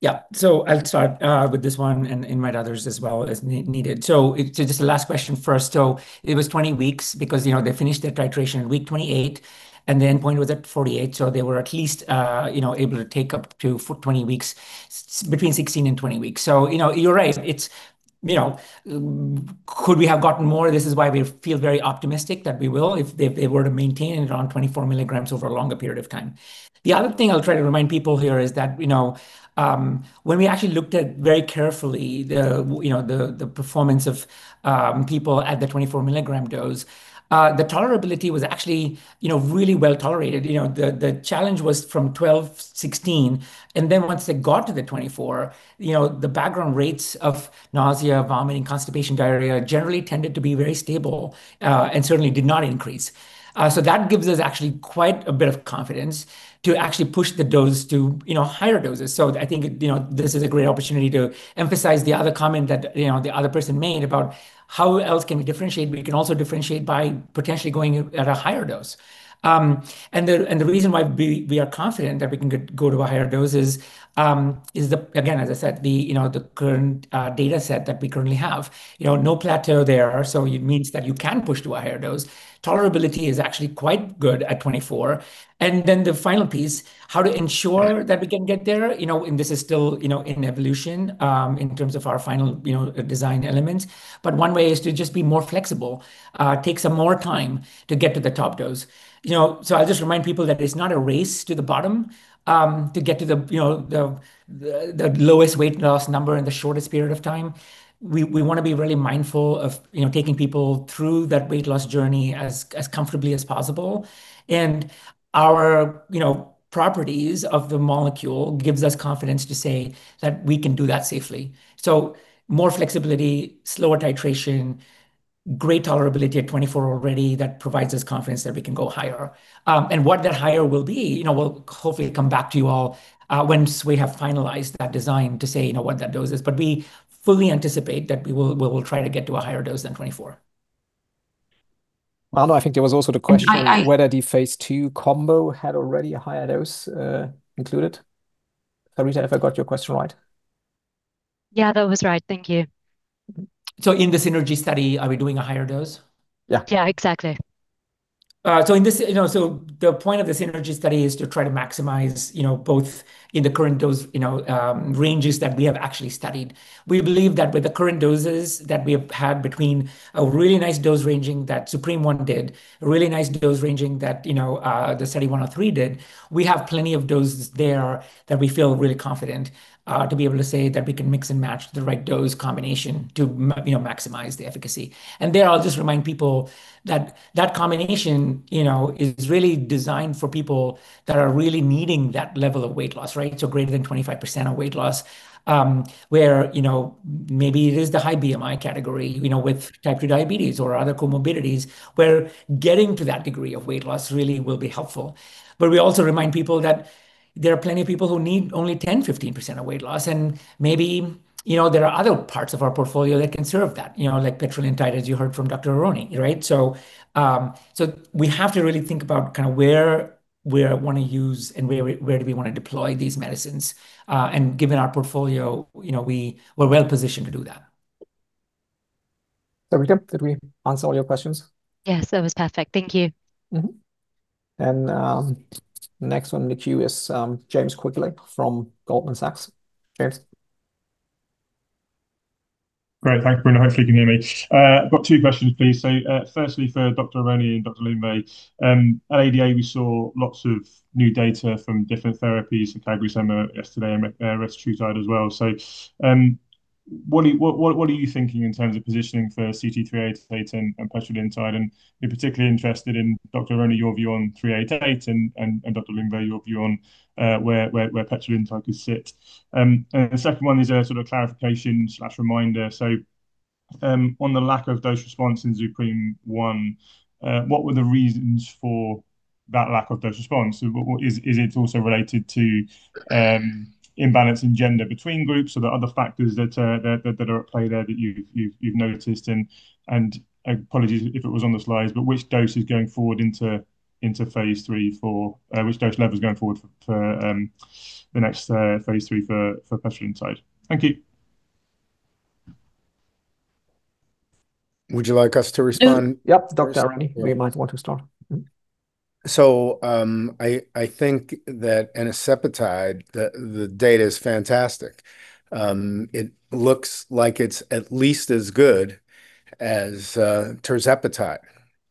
Yeah. I'll start with this one, and invite others as well as needed. Just the last question first. It was 20 weeks because they finished their titration in week 28, and the endpoint was at 48, so they were at least able to take up to between 16 and 20 weeks. You're right. Could we have gotten more? This is why we feel very optimistic that we will, if they were to maintain it around 24 mg over a longer period of time. The other thing I'll try to remind people here is that when we actually looked at very carefully the performance of people at the 24-mg dose, the tolerability was actually really well tolerated. The challenge was from 12, 16, and then once they got to the 24, the background rates of nausea, vomiting, constipation, diarrhea, generally tended to be very stable, and certainly did not increase. That gives us actually quite a bit of confidence to actually push the dose to higher doses. I think this is a great opportunity to emphasize the other comment that the other person made about how else can we differentiate, but we can also differentiate by potentially going at a higher dose. The reason why we are confident that we can go to a higher dose is, again, as I said, the current data set that we currently have. No plateau there, so it means that you can push to a higher dose. Tolerability is actually quite good at 24. The final piece, how to ensure that we can get there, and this is still in evolution, in terms of our final design elements, but one way is to just be more flexible. Take some more time to get to the top dose. I'll just remind people that it's not a race to the bottom, to get to the lowest weight loss number in the shortest period of time. We want to be really mindful of taking people through that weight loss journey as comfortably as possible. Our properties of the molecule gives us confidence to say that we can do that safely. More flexibility, slower titration, great tolerability at 24 already that provides us confidence that we can go higher. What that higher will be, we'll hopefully come back to you all once we have finalized that design to say what that dose is. We fully anticipate that we will try to get to a higher dose than 24 mg. I think there was also the question. I- Whether the phase II combo had already a higher dose included. Sarita, have I got your question right? Yeah, that was right. Thank you. In the SYNERGY study, are we doing a higher dose? Yeah. Yeah, exactly. The point of the SYNERGY study is to try to maximize both in the current dose ranges that we have actually studied. We believe that with the current doses that we have had between a really nice dose ranging that ZUPREME-1 did, a really nice dose ranging that the CT-388-103 study did, we have plenty of doses there that we feel really confident to be able to say that we can mix and match the right dose combination to maximize the efficacy. There, I'll just remind people that that combination is really designed for people that are really needing that level of weight loss. Greater than 25% of weight loss, where maybe it is the high BMI category with type 2 diabetes or other comorbidities, where getting to that degree of weight loss really will be helpful. We also remind people that there are plenty of people who need only 10, 15% of weight loss, and maybe there are other parts of our portfolio that can serve that, like petrelintide, as you heard from Dr. Aronne. We have to really think about where we want to use and where do we want to deploy these medicines. Given our portfolio, we're well positioned to do that. Sarita, did we answer all your questions? Yes, that was perfect. Thank you. Next one in the queue is James Quigley from Goldman Sachs. James. Great. Thanks, Bruno. Hopefully you can hear me. I've got two questions, please. Firstly for Dr. Aronne and Dr. Lingvay. At ADA, we saw lots of new data from different therapies, from CagriSema yesterday as well. What are you thinking in terms of positioning for CT-388 and petrelintide? Be particularly interested in, Dr. Aronne your view on 388, and Dr. Lingvay, your view on where petrelintide could sit. The second one is a sort of clarification/reminder. On the lack of dose response in ZUPREME-1, what were the reasons for that lack of dose response? Is it also related to imbalance in gender between groups? Are there other factors that are at play there that you've noticed? Apologies if it was on the slides, which dose is going forward into phase III for which dose level is going forward for the next phase III for petrelintide? Thank you. Would you like us to respond? Yep. Dr. Aronne, you might want to start. I think that in enicepatide, the data is fantastic. It looks like it's at least as good as tirzepatide.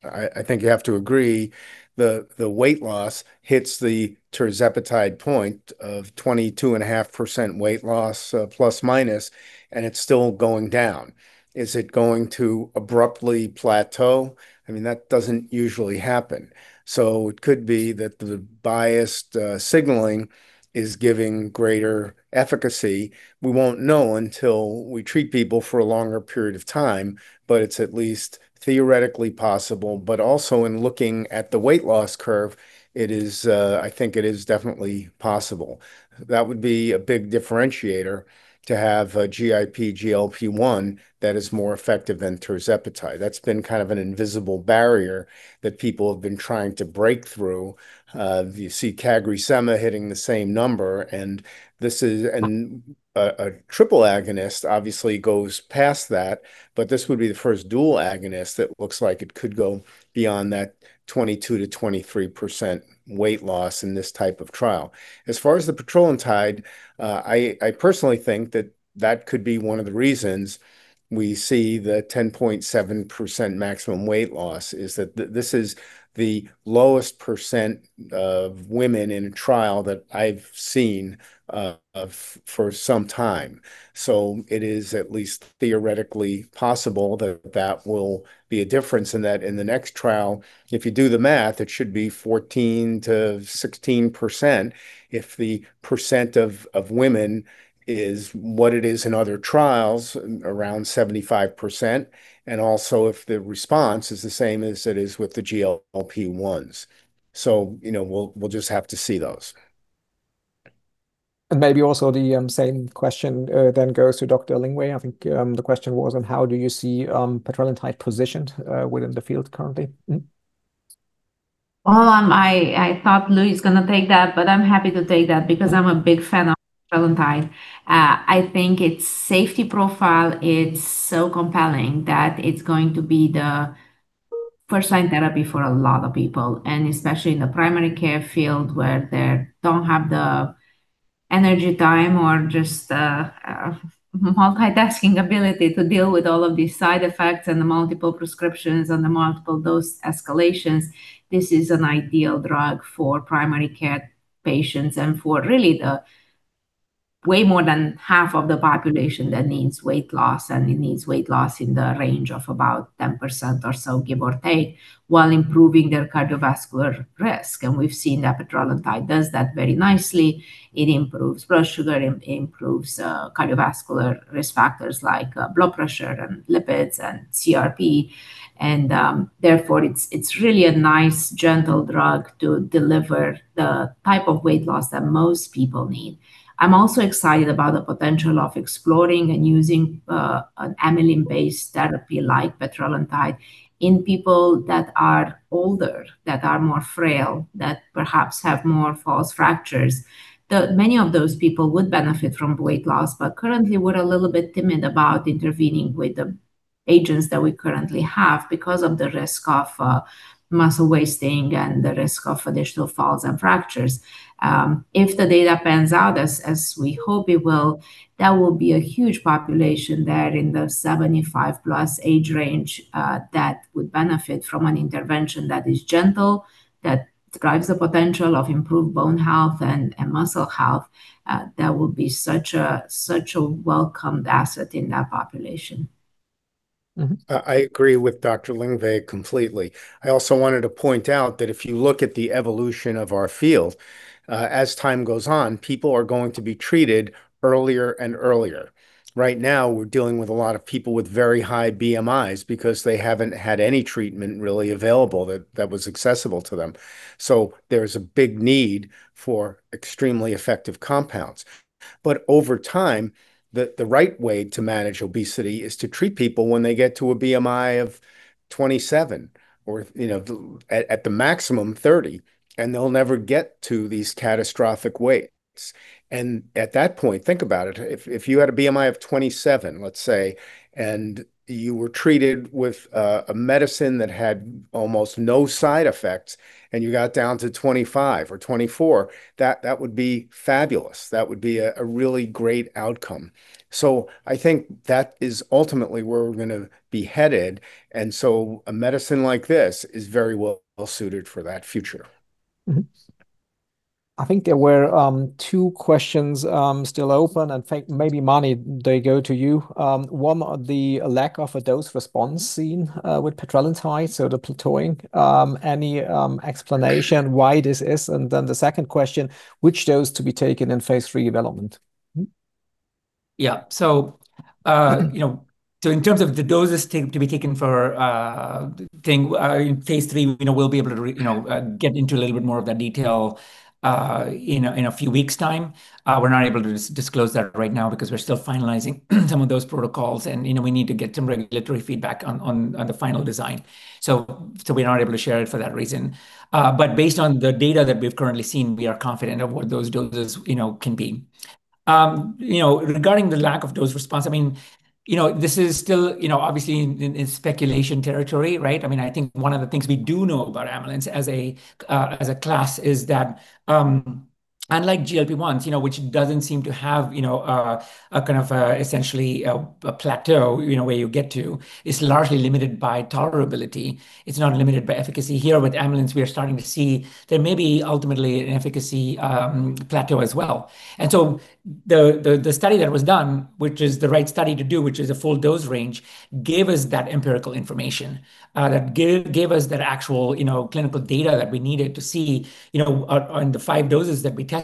I think you have to agree, the weight loss hits the tirzepatide point of 22.5% weight loss, plus minus, and it's still going down. Is it going to abruptly plateau? That doesn't usually happen. It could be that the biased signaling is giving greater efficacy. We won't know until we treat people for a longer period of time, but it's at least theoretically possible. Also in looking at the weight loss curve, I think it is definitely possible. That would be a big differentiator to have a GIP/GLP-1 that is more effective than tirzepatide. That's been kind of an invisible barrier that people have been trying to break through. You see CagriSema hitting the same number, and a triple agonist obviously goes past that. This would be the first dual agonist that looks like it could go beyond that 22%-23% weight loss in this type of trial. As far as the petrelintide, I personally think that that could be one of the reasons we see the 10.7% maximum weight loss is that this is the lowest percent of women in a trial that I've seen for some time. It is at least theoretically possible that that will be a difference in that in the next trial, if you do the math, it should be 14%-16%, if the percent of women is what it is in other trials, around 75%, and also if the response is the same as it is with the GLP-1s. We'll just have to see those. Maybe also the same question then goes to Dr. Lingvay. I think the question was on how do you see petrelintide positioned within the field currently? I thought Louis going to take that, I'm happy to take that because I'm a big fan of petrelintide. I think its safety profile is so compelling that it's going to be the first-line therapy for a lot of people, especially in the primary care field where they don't have the energy, time, or just multitasking ability to deal with all of these side effects and the multiple prescriptions and the multiple dose escalations. This is an ideal drug for primary care patients and for really the-Way more than half of the population that needs weight loss, and it needs weight loss in the range of about 10% or so, give or take, while improving their cardiovascular risk. We've seen that petrelintide does that very nicely. It improves blood sugar, it improves cardiovascular risk factors like blood pressure and lipids and CRP, therefore, it's really a nice, gentle drug to deliver the type of weight loss that most people need. I'm also excited about the potential of exploring and using an amylin-based therapy like petrelintide in people that are older, that are more frail, that perhaps have more false fractures. Many of those people would benefit from weight loss, currently, we're a little bit timid about intervening with the agents that we currently have because of the risk of muscle wasting and the risk of additional falls and fractures. If the data pans out as we hope it will, that will be a huge population there in the 75-plus age range that would benefit from an intervention that is gentle, that drives the potential of improved bone health and muscle health. That would be such a welcomed asset in that population. I agree with Dr. Lingvay completely. I also wanted to point out that if you look at the evolution of our field, as time goes on, people are going to be treated earlier and earlier. Right now, we're dealing with a lot of people with very high BMIs because they haven't had any treatment really available that was accessible to them. There's a big need for extremely effective compounds. Over time, the right way to manage obesity is to treat people when they get to a BMI of 27, or at the maximum 30, and they'll never get to these catastrophic weights. At that point, think about it, if you had a BMI of 27, let's say, and you were treated with a medicine that had almost no side effects, and you got down to 25 or 24, that would be fabulous. That would be a really great outcome. I think that is ultimately where we're going to be headed, and so a medicine like this is very well-suited for that future. I think there were two questions still open. In fact, maybe Manu, they go to you. One, the lack of a dose response seen with petrelintide, so the plateauing. Any explanation why this is? The second question, which dose to be taken in phase III development? Yeah. In terms of the doses to be taken for phase III, we'll be able to get into a little bit more of that detail in a few weeks' time. We're not able to disclose that right now because we're still finalizing some of those protocols, and we need to get some regulatory feedback on the final design. We're not able to share it for that reason. Based on the data that we've currently seen, we are confident of what those doses can be. Regarding the lack of dose response, this is still obviously in speculation territory, right? I think one of the things we do know about amylins as a class is that unlike GLP-1s, which doesn't seem to have essentially a plateau where you get to, it's largely limited by tolerability. It's not limited by efficacy. Here with amylins, we are starting to see there may be ultimately an efficacy plateau as well. The study that was done, which is the right study to do, which is a full dose range, gave us that empirical information, that gave us that actual clinical data that we needed to see on the five doses that we tested,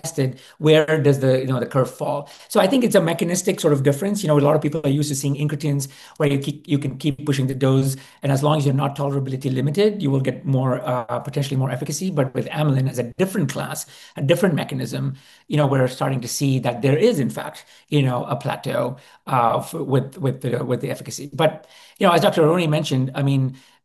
where does the curve fall. I think it's a mechanistic sort of difference. A lot of people are used to seeing incretins where you can keep pushing the dose, and as long as you're not tolerability limited, you will get potentially more efficacy. With amylin as a different class, a different mechanism, we're starting to see that there is, in fact, a plateau with the efficacy. As Dr. Aronne mentioned,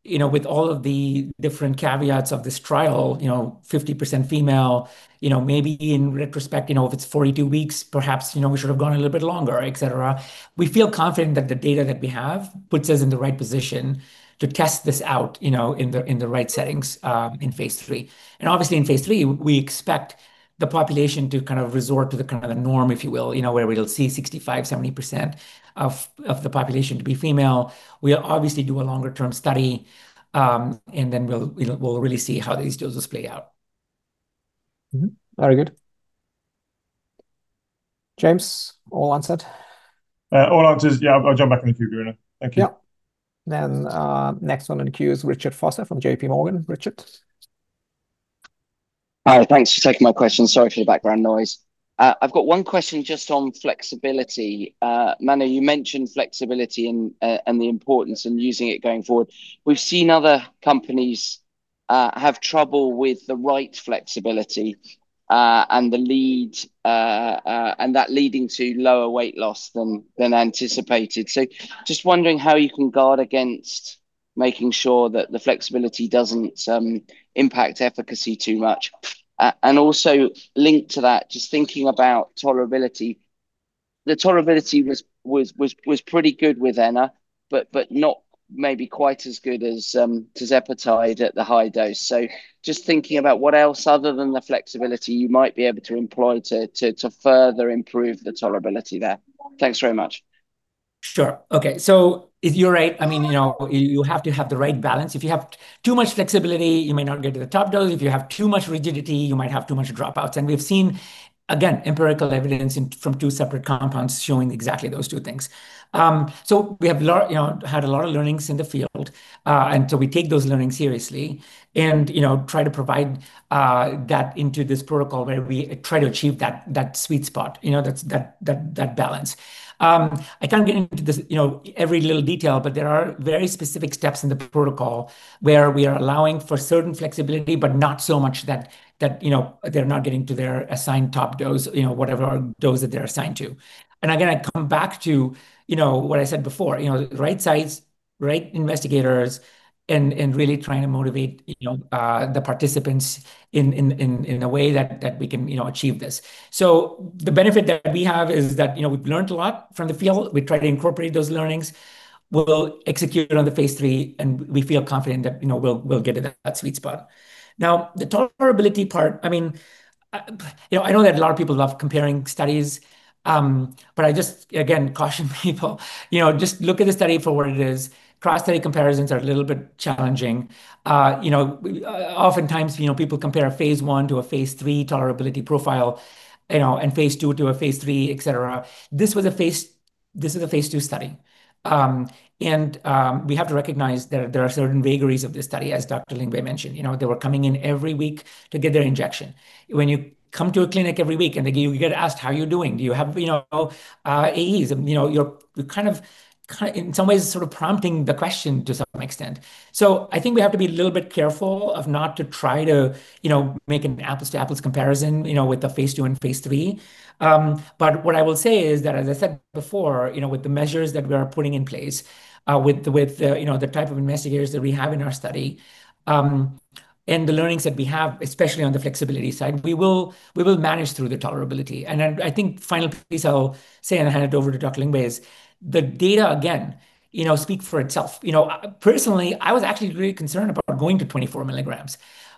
with all of the different caveats of this trial, 50% female, maybe in retrospect, if it's 42 weeks, perhaps we should have gone a little bit longer, et cetera. We feel confident that the data that we have puts us in the right position to test this out in the right settings in phase III. Obviously in phase III, we expect the population to kind of resort to the kind of the norm, if you will, where we'll see 65%-70% of the population to be female. We'll obviously do a longer-term study, and then we'll really see how these doses play out. Mm-hmm. Very good. James, all answered? All answered, yeah. I'll jump back in the queue, Bruno. Thank you. Yeah. Next one in the queue is Richard Vosser from JPMorgan. Richard. Hi, thanks for taking my question. Sorry for the background noise. I've got one question just on flexibility. Manu, you mentioned flexibility and the importance in using it going forward. That leading to lower weight loss than anticipated. Just wondering how you can guard against making sure that the flexibility doesn't impact efficacy too much. Also linked to that, just thinking about tolerability. The tolerability was pretty good with INNA-051, but not maybe quite as good as tirzepatide at the high dose. Just thinking about what else other than the flexibility you might be able to employ to further improve the tolerability there. Thanks very much. Sure. Okay. You're right. You have to have the right balance. If you have too much flexibility, you may not get to the top dose. If you have too much rigidity, you might have too much dropouts. We've seen, again, empirical evidence from two separate compounds showing exactly those two things. We have had a lot of learnings in the field, we take those learnings seriously and try to provide that into this protocol where we try to achieve that sweet spot, that balance. I can't get into every little detail, but there are very specific steps in the protocol where we are allowing for certain flexibility, but not so much that they're not getting to their assigned top dose, whatever dose that they're assigned to. Again, I come back to what I said before, right sites, right investigators, and really trying to motivate the participants in a way that we can achieve this. The benefit that we have is that we've learnt a lot from the field. We try to incorporate those learnings. We'll execute on the phase III, and we feel confident that we'll get to that sweet spot. The tolerability part, I know that a lot of people love comparing studies. I just, again, caution people, just look at the study for what it is. Cross-study comparisons are a little bit challenging. Oftentimes, people compare a phase I to a phase III tolerability profile, and phase II to a phase III, et cetera. This is a phase II study. We have to recognize that there are certain vagaries of this study, as Dr. Lingvay mentioned. They were coming in every week to get their injection. When you come to a clinic every week and you get asked, "How are you doing? Do you have AEs?" In some ways you're sort of prompting the question to some extent. I think we have to be a little bit careful of not to try to make an apples-to-apples comparison with the phase II and phase III. What I will say is that, as I said before, with the measures that we are putting in place, with the type of investigators that we have in our study, and the learnings that we have, especially on the flexibility side, we will manage through the tolerability. I think the final piece I will say, and I'll hand it over to Dr. Lingvay, is the data, again, speaks for itself. Personally, I was actually really concerned about going to 24 mg.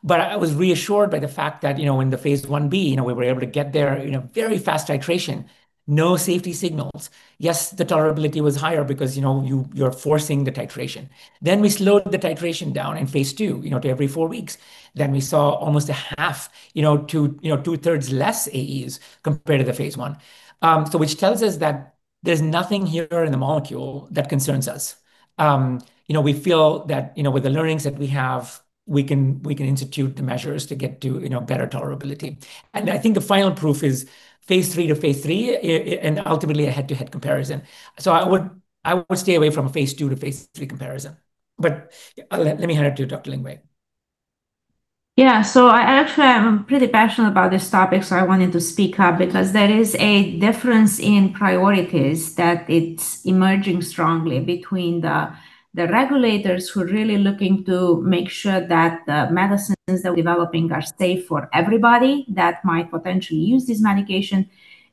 I was reassured by the fact that in the phase I-B, we were able to get there very fast titration, no safety signals. Yes, the tolerability was higher because you're forcing the titration. We slowed the titration down in phase II to every four weeks. We saw almost a half, two thirds less AEs compared to the phase I. Which tells us that there's nothing here in the molecule that concerns us. We feel that with the learnings that we have, we can institute the measures to get to better tolerability. I think the final proof is phase III to phase III, and ultimately a head-to-head comparison. I would stay away from a phase II to phase III comparison. Let me hand it to Dr. Lingvay. Actually, I'm pretty passionate about this topic, so I wanted to speak up because there is a difference in priorities that it's emerging strongly between the regulators who are really looking to make sure that the medicines they're developing are safe for everybody that might potentially use this medication.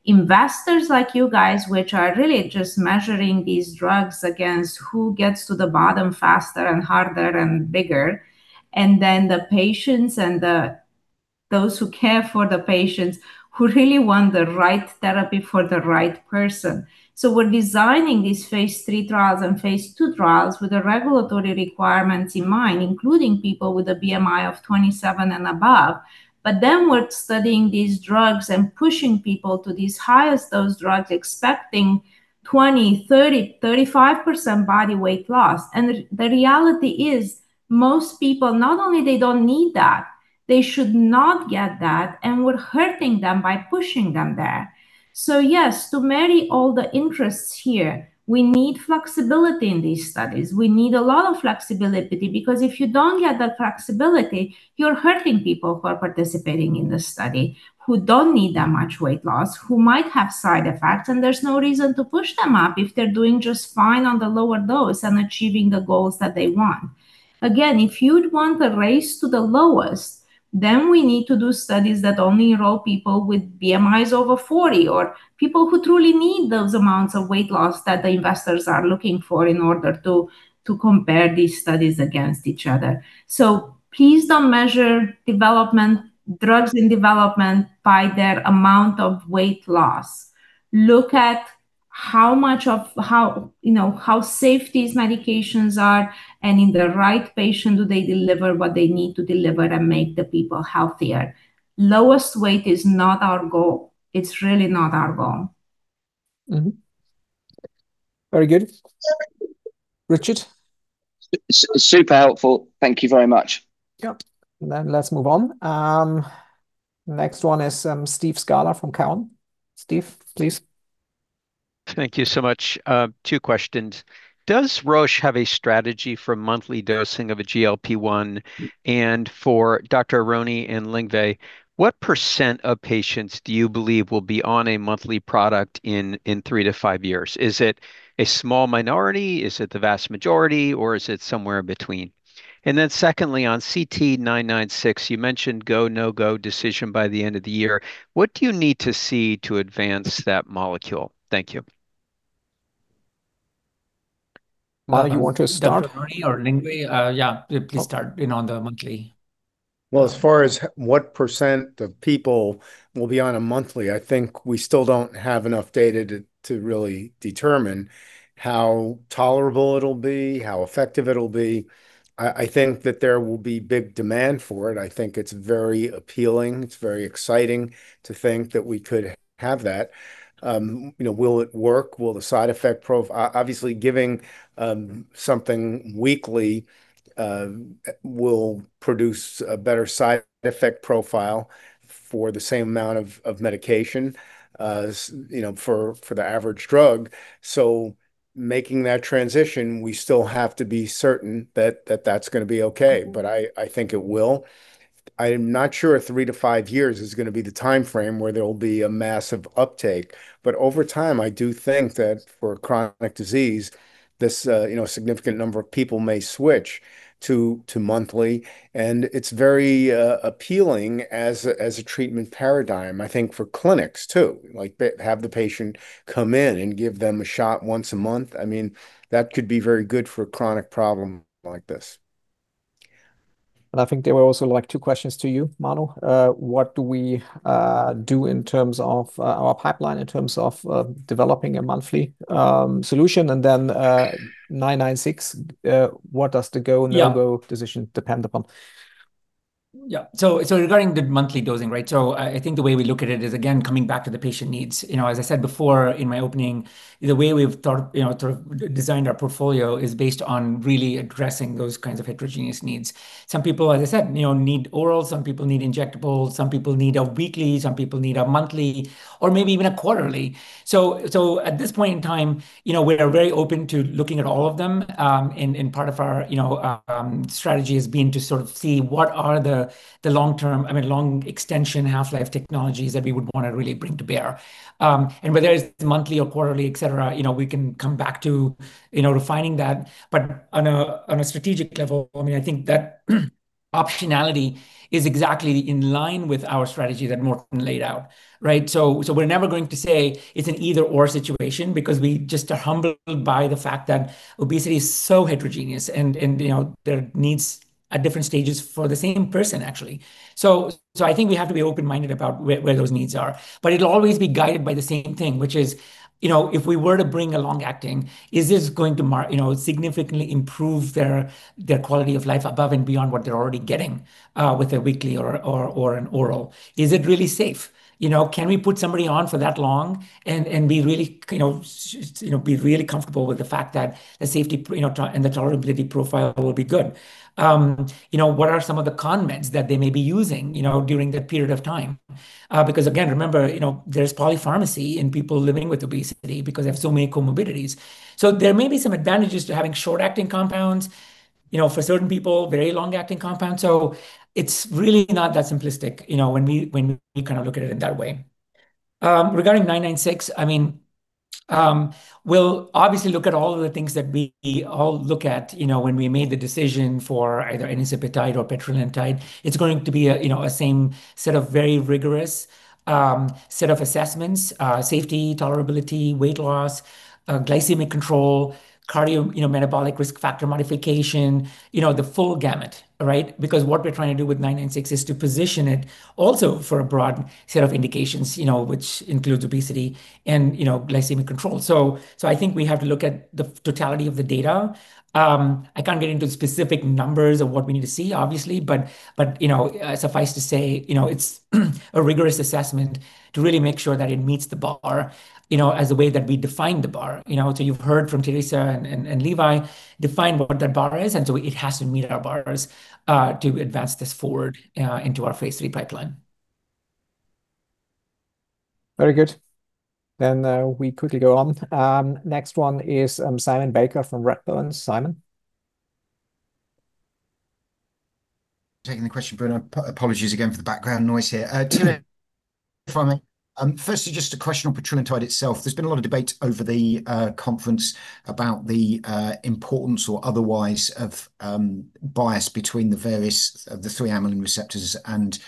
Investors like you guys, which are really just measuring these drugs against who gets to the bottom faster and harder and bigger, and then the patients and those who care for the patients who really want the right therapy for the right person. We're designing these phase III trials and phase II trials with the regulatory requirements in mind, including people with a BMI of 27 and above. We're studying these drugs and pushing people to these highest dose drugs, expecting 20%, 30%, 35% body weight loss. The reality is, most people, not only they don't need that, they should not get that, and we're hurting them by pushing them there. Yes, to marry all the interests here, we need flexibility in these studies. We need a lot of flexibility because if you don't get that flexibility, you're hurting people who are participating in the study who don't need that much weight loss, who might have side effects, and there's no reason to push them up if they're doing just fine on the lower dose and achieving the goals that they want. Again, if you'd want the race to the lowest, then we need to do studies that only enroll people with BMIs over 40, or people who truly need those amounts of weight loss that the investors are looking for in order to compare these studies against each other. Please don't measure drugs in development by their amount of weight loss. Look at how safe these medications are and in the right patient do they deliver what they need to deliver and make the people healthier. Lowest weight is not our goal. It's really not our goal. Very good. Richard? Super helpful. Thank you very much. Yep. Let's move on. Next one is Steve Scala from Cowen. Steve, please. Thank you so much. Two questions. Does Roche have a strategy for monthly dosing of a GLP-1? For Dr. Aronne and Lingvay, what % of patients do you believe will be on a monthly product in three to five years? Is it a small minority? Is it the vast majority, or is it somewhere in between? Secondly, on CT-996, you mentioned go, no-go decision by the end of the year. What do you need to see to advance that molecule? Thank you. Manu, you want to start? Dr. Aronne or Lingvay? Yeah. Please start on the monthly. Well, as far as what percent of people will be on a monthly, I think we still don't have enough data to really determine how tolerable it'll be, how effective it'll be. I think that there will be big demand for it. I think it's very appealing. It's very exciting to think that we could have that. Will it work? Obviously, giving something weekly will produce a better side effect profile for the same amount of medication for the average drug. Making that transition, we still have to be certain that that's going to be okay, but I think it will. I am not sure if three to five years is going to be the timeframe where there will be a massive uptake. Over time, I do think that for a chronic disease, a significant number of people may switch to monthly. It's very appealing as a treatment paradigm, I think, for clinics, too. Have the patient come in and give them a shot once a month. That could be very good for a chronic problem like this. I think there were also two questions to you, Manu. What do we do in terms of our pipeline, in terms of developing a monthly solution, and then 996, what does the go- Yeah No-go decision depend upon? Regarding the monthly dosing, I think the way we look at it is, again, coming back to the patient needs. As I said before in my opening, the way we've designed our portfolio is based on really addressing those kinds of heterogeneous needs. Some people, as I said, need oral, some people need injectable, some people need a weekly, some people need a monthly, or maybe even a quarterly. At this point in time, we're very open to looking at all of them, and part of our strategy has been to sort of see what are the long extension half-life technologies that we would want to really bring to bear. Whether it's monthly or quarterly, et cetera, we can come back to refining that. On a strategic level, I think that optionality is exactly in line with our strategy that Morten laid out. We're never going to say it's an either/or situation because we just are humbled by the fact that obesity is so heterogeneous, and there are needs at different stages for the same person, actually. I think we have to be open-minded about where those needs are. It'll always be guided by the same thing, which is, if we were to bring a long-acting, is this going to significantly improve their quality of life above and beyond what they're already getting with a weekly or an oral? Is it really safe? Can we put somebody on for that long and be really comfortable with the fact that the safety and the tolerability profile will be good? What are some of the con meds that they may be using during that period of time? Again, remember, there's polypharmacy in people living with obesity because they have so many comorbidities. There may be some advantages to having short-acting compounds, for certain people, very long-acting compounds. It's really not that simplistic when we look at it in that way. Regarding 996, we'll obviously look at all of the things that we all look at when we made the decision for either enicepatide or petrelintide. It's going to be a same set of very rigorous set of assessments, safety, tolerability, weight loss, glycemic control, cardiometabolic risk factor modification, the full gamut. What we're trying to do with 996 is to position it also for a broad set of indications which includes obesity and glycemic control. I think we have to look at the totality of the data. I can't get into specific numbers of what we need to see, obviously, but suffice to say, it's a rigorous assessment to really make sure that it meets the bar as the way that we define the bar. You've heard from Teresa and Levi define what that bar is, it has to meet our bars to advance this forward into our phase III pipeline. Very good. We quickly go on. Next one is Simon Baker from Redburn. Simon? Taking the question, Bruno. Apologies again for the background noise here. Two for me. Firstly, just a question on petrelintide itself. There's been a lot of debate over the conference about the importance or otherwise of bias between the various of the three amylin receptors and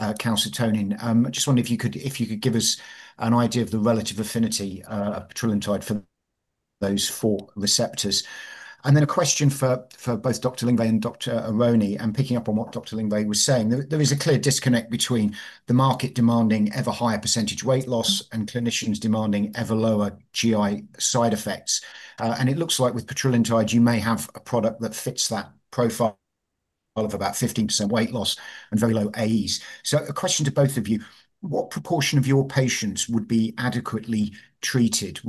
calcitonin. I just wonder if you could give us an idea of the relative affinity of petrelintide for those four receptors. A question for both Dr. Lingvay and Dr. Aronne, picking up on what Dr. Lingvay was saying. There is a clear disconnect between the market demanding ever higher % weight loss and clinicians demanding ever lower GI side effects. It looks like with petrelintide, you may have a product that fits that profile of about 15% weight loss and very low AEs. A question to both of you, what proportion of your patients would be adequately treated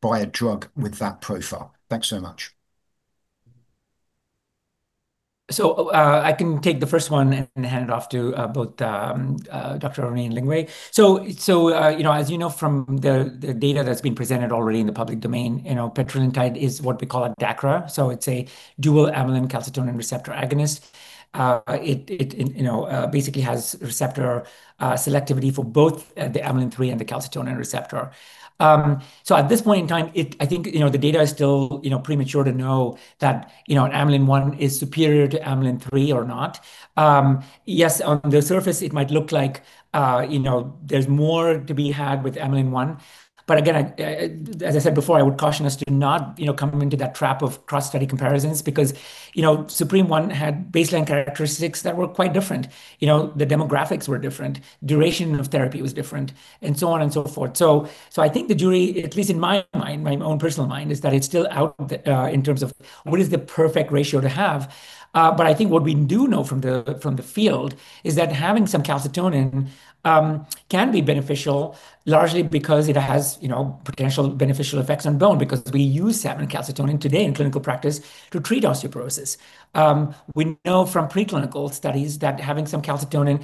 by a drug with that profile? Thanks so much. I can take the first one and hand it off to both Dr. Aronne and Lingvay. As you know from the data that's been presented already in the public domain, petrelintide is what we call a DACRA. It's a dual amylin calcitonin receptor agonist. It basically has receptor selectivity for both the amylin 3 and the calcitonin receptor. At this point in time, I think the data is still premature to know that amylin 1 is superior to amylin 3 or not. Yes, on the surface, it might look like there's more to be had with amylin 1. Again, as I said before, I would caution us to not come into that trap of cross-study comparisons because ZUPREME-1 had baseline characteristics that were quite different. The demographics were different, duration of therapy was different, and so on and so forth. I think the jury, at least in my mind, my own personal mind, is that it's still out in terms of what is the perfect ratio to have. I think what we do know from the field is that having some calcitonin can be beneficial, largely because it has potential beneficial effects on bone, because we use salmon calcitonin today in clinical practice to treat osteoporosis. We know from preclinical studies that having some calcitonin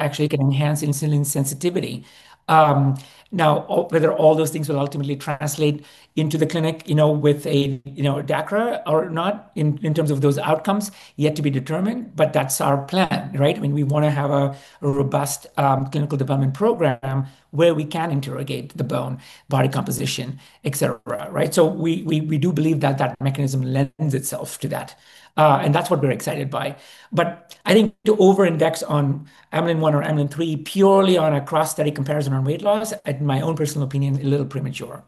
actually can enhance insulin sensitivity. Whether all those things will ultimately translate into the clinic with a DACRA or not in terms of those outcomes, yet to be determined, that's our plan. We want to have a robust clinical development program where we can interrogate the bone, body composition, et cetera. We do believe that that mechanism lends itself to that, and that's what we're excited by. I think to over-index on amylin-1 or amylin-3 purely on a cross-study comparison on weight loss, at my own personal opinion, is a little premature.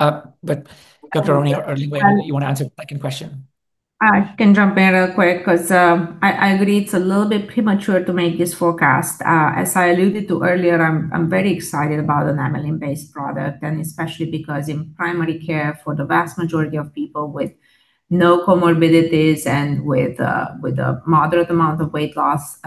Dr. Lingvay, you want to answer the second question? I can jump in real quick because I agree it's a little bit premature to make this forecast. As I alluded to earlier, I'm very excited about an amylin-based product, and especially because in primary care for the vast majority of people with no comorbidities and with a moderate amount of weight loss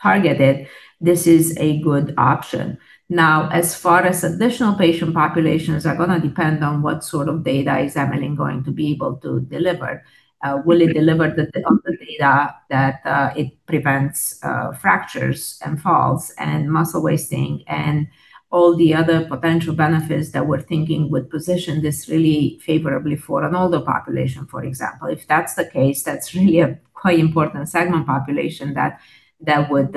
targeted, this is a good option. As far as additional patient populations are going to depend on what sort of data is amylin going to be able to deliver. Will it deliver the type of data that it prevents fractures and falls and muscle wasting and all the other potential benefits that we're thinking would position this really favorably for an older population, for example? If that's the case, that's really a quite important segment population that would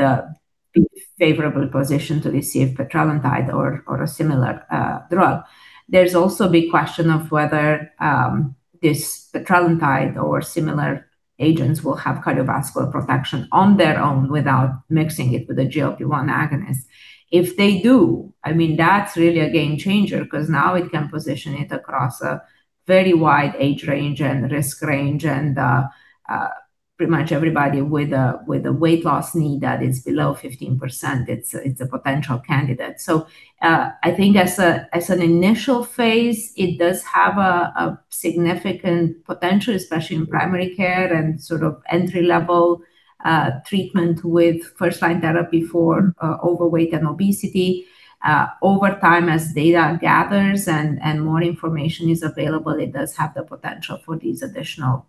be favorably positioned to receive petrelintide or a similar drug. There's also a big question of whether this petrelintide or similar agents will have cardiovascular protection on their own without mixing it with a GLP-1 agonist. If they do, that's really a game changer because now it can position it across a very wide age range and risk range and pretty much everybody with a weight loss need that is below 15%, it's a potential candidate. I think as an initial phase, it does have a significant potential, especially in primary care and sort of entry-level treatment with first-line therapy for overweight and obesity. Over time, as data gathers and more information is available, it does have the potential for these additional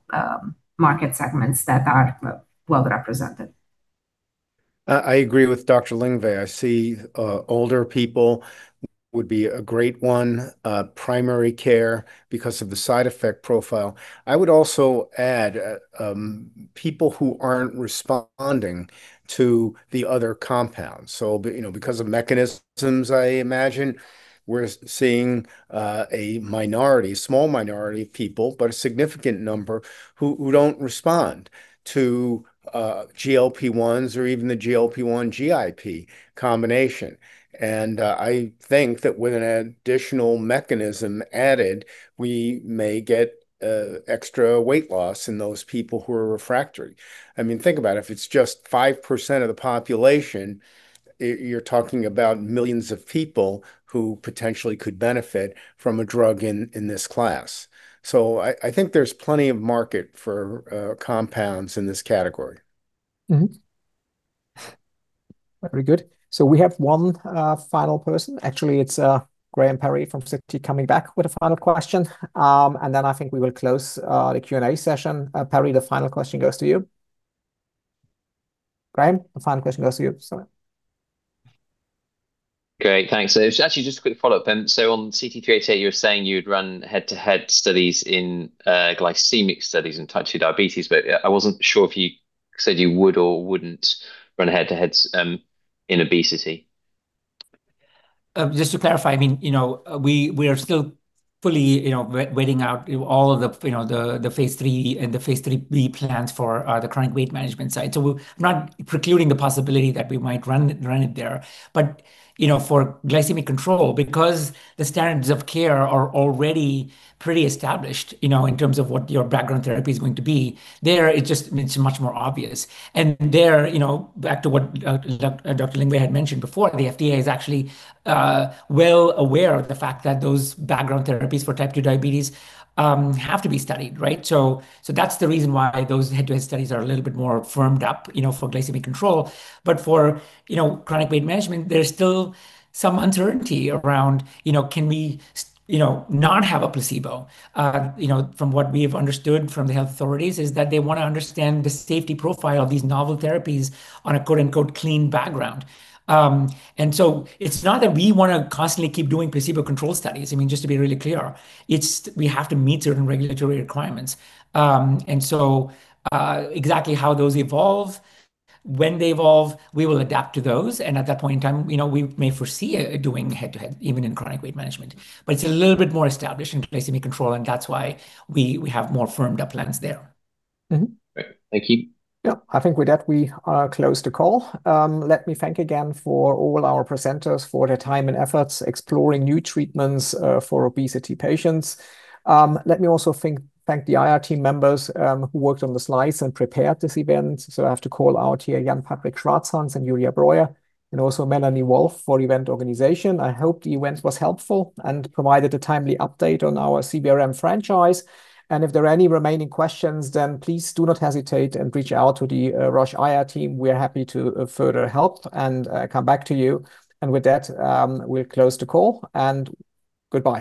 market segments that are well represented. I agree with Dr. Lingvay. I see older people would be a great one, primary care, because of the side effect profile. I would also add people who are not responding to the other compounds. Because of mechanisms, I imagine, we are seeing a small minority of people, but a significant number, who do not respond to GLP-1s or even the GLP-1 GIP combination. I think that with an additional mechanism added, we may get extra weight loss in those people who are refractory. Think about it. If it is just 5% of the population, you are talking about millions of people who potentially could benefit from a drug in this class. I think there is plenty of market for compounds in this category. Mm-hmm. Very good. We have one final person. Actually, it is Graham Parry from Citi coming back with a final question, then I think we will close the Q&A session. Parry, the final question goes to you. Graham, the final question goes to you. Sorry. Great. Thanks. It is actually just a quick follow-up then. On CT-388, you were saying you would run head-to-head studies in glycemic studies in type 2 diabetes, but I was not sure if you said you would or would not run head-to-heads in obesity. Just to clarify, we are still fully vetting out all of the Phase III and the Phase III-B plans for the chronic weight management side. We are not precluding the possibility that we might run it there. For glycemic control, because the standards of care are already pretty established, in terms of what your background therapy is going to be, there, it is much more obvious. There, back to what Dr. Lingvay had mentioned before, the FDA is actually well aware of the fact that those background therapies for type 2 diabetes have to be studied. That is the reason why those head-to-head studies are a little bit more firmed up for glycemic control. For chronic weight management, there is still some uncertainty around can we not have a placebo. From what we have understood from the health authorities is that they want to understand the safety profile of these novel therapies on a quote-unquote clean background. It's not that we want to constantly keep doing placebo control studies, just to be really clear. It's we have to meet certain regulatory requirements. Exactly how those evolve, when they evolve, we will adapt to those, and at that point in time, we may foresee doing head-to-head, even in chronic weight management. It's a little bit more established in glycemic control, and that's why we have more firmed up plans there. Great. Thank you. I think with that, we close the call. Let me thank again all our presenters for their time and efforts exploring new treatments for obesity patients. Let me also thank the IR team members who worked on the slides and prepared this event. I have to call out here Jan-Patrick Schratzhans and Julia Breuer, and also Melanie Wolf for event organization. I hope the event was helpful and provided a timely update on our CVRM franchise. If there are any remaining questions, then please do not hesitate and reach out to the Roche IR team. We are happy to further help and come back to you. With that, we'll close the call. Goodbye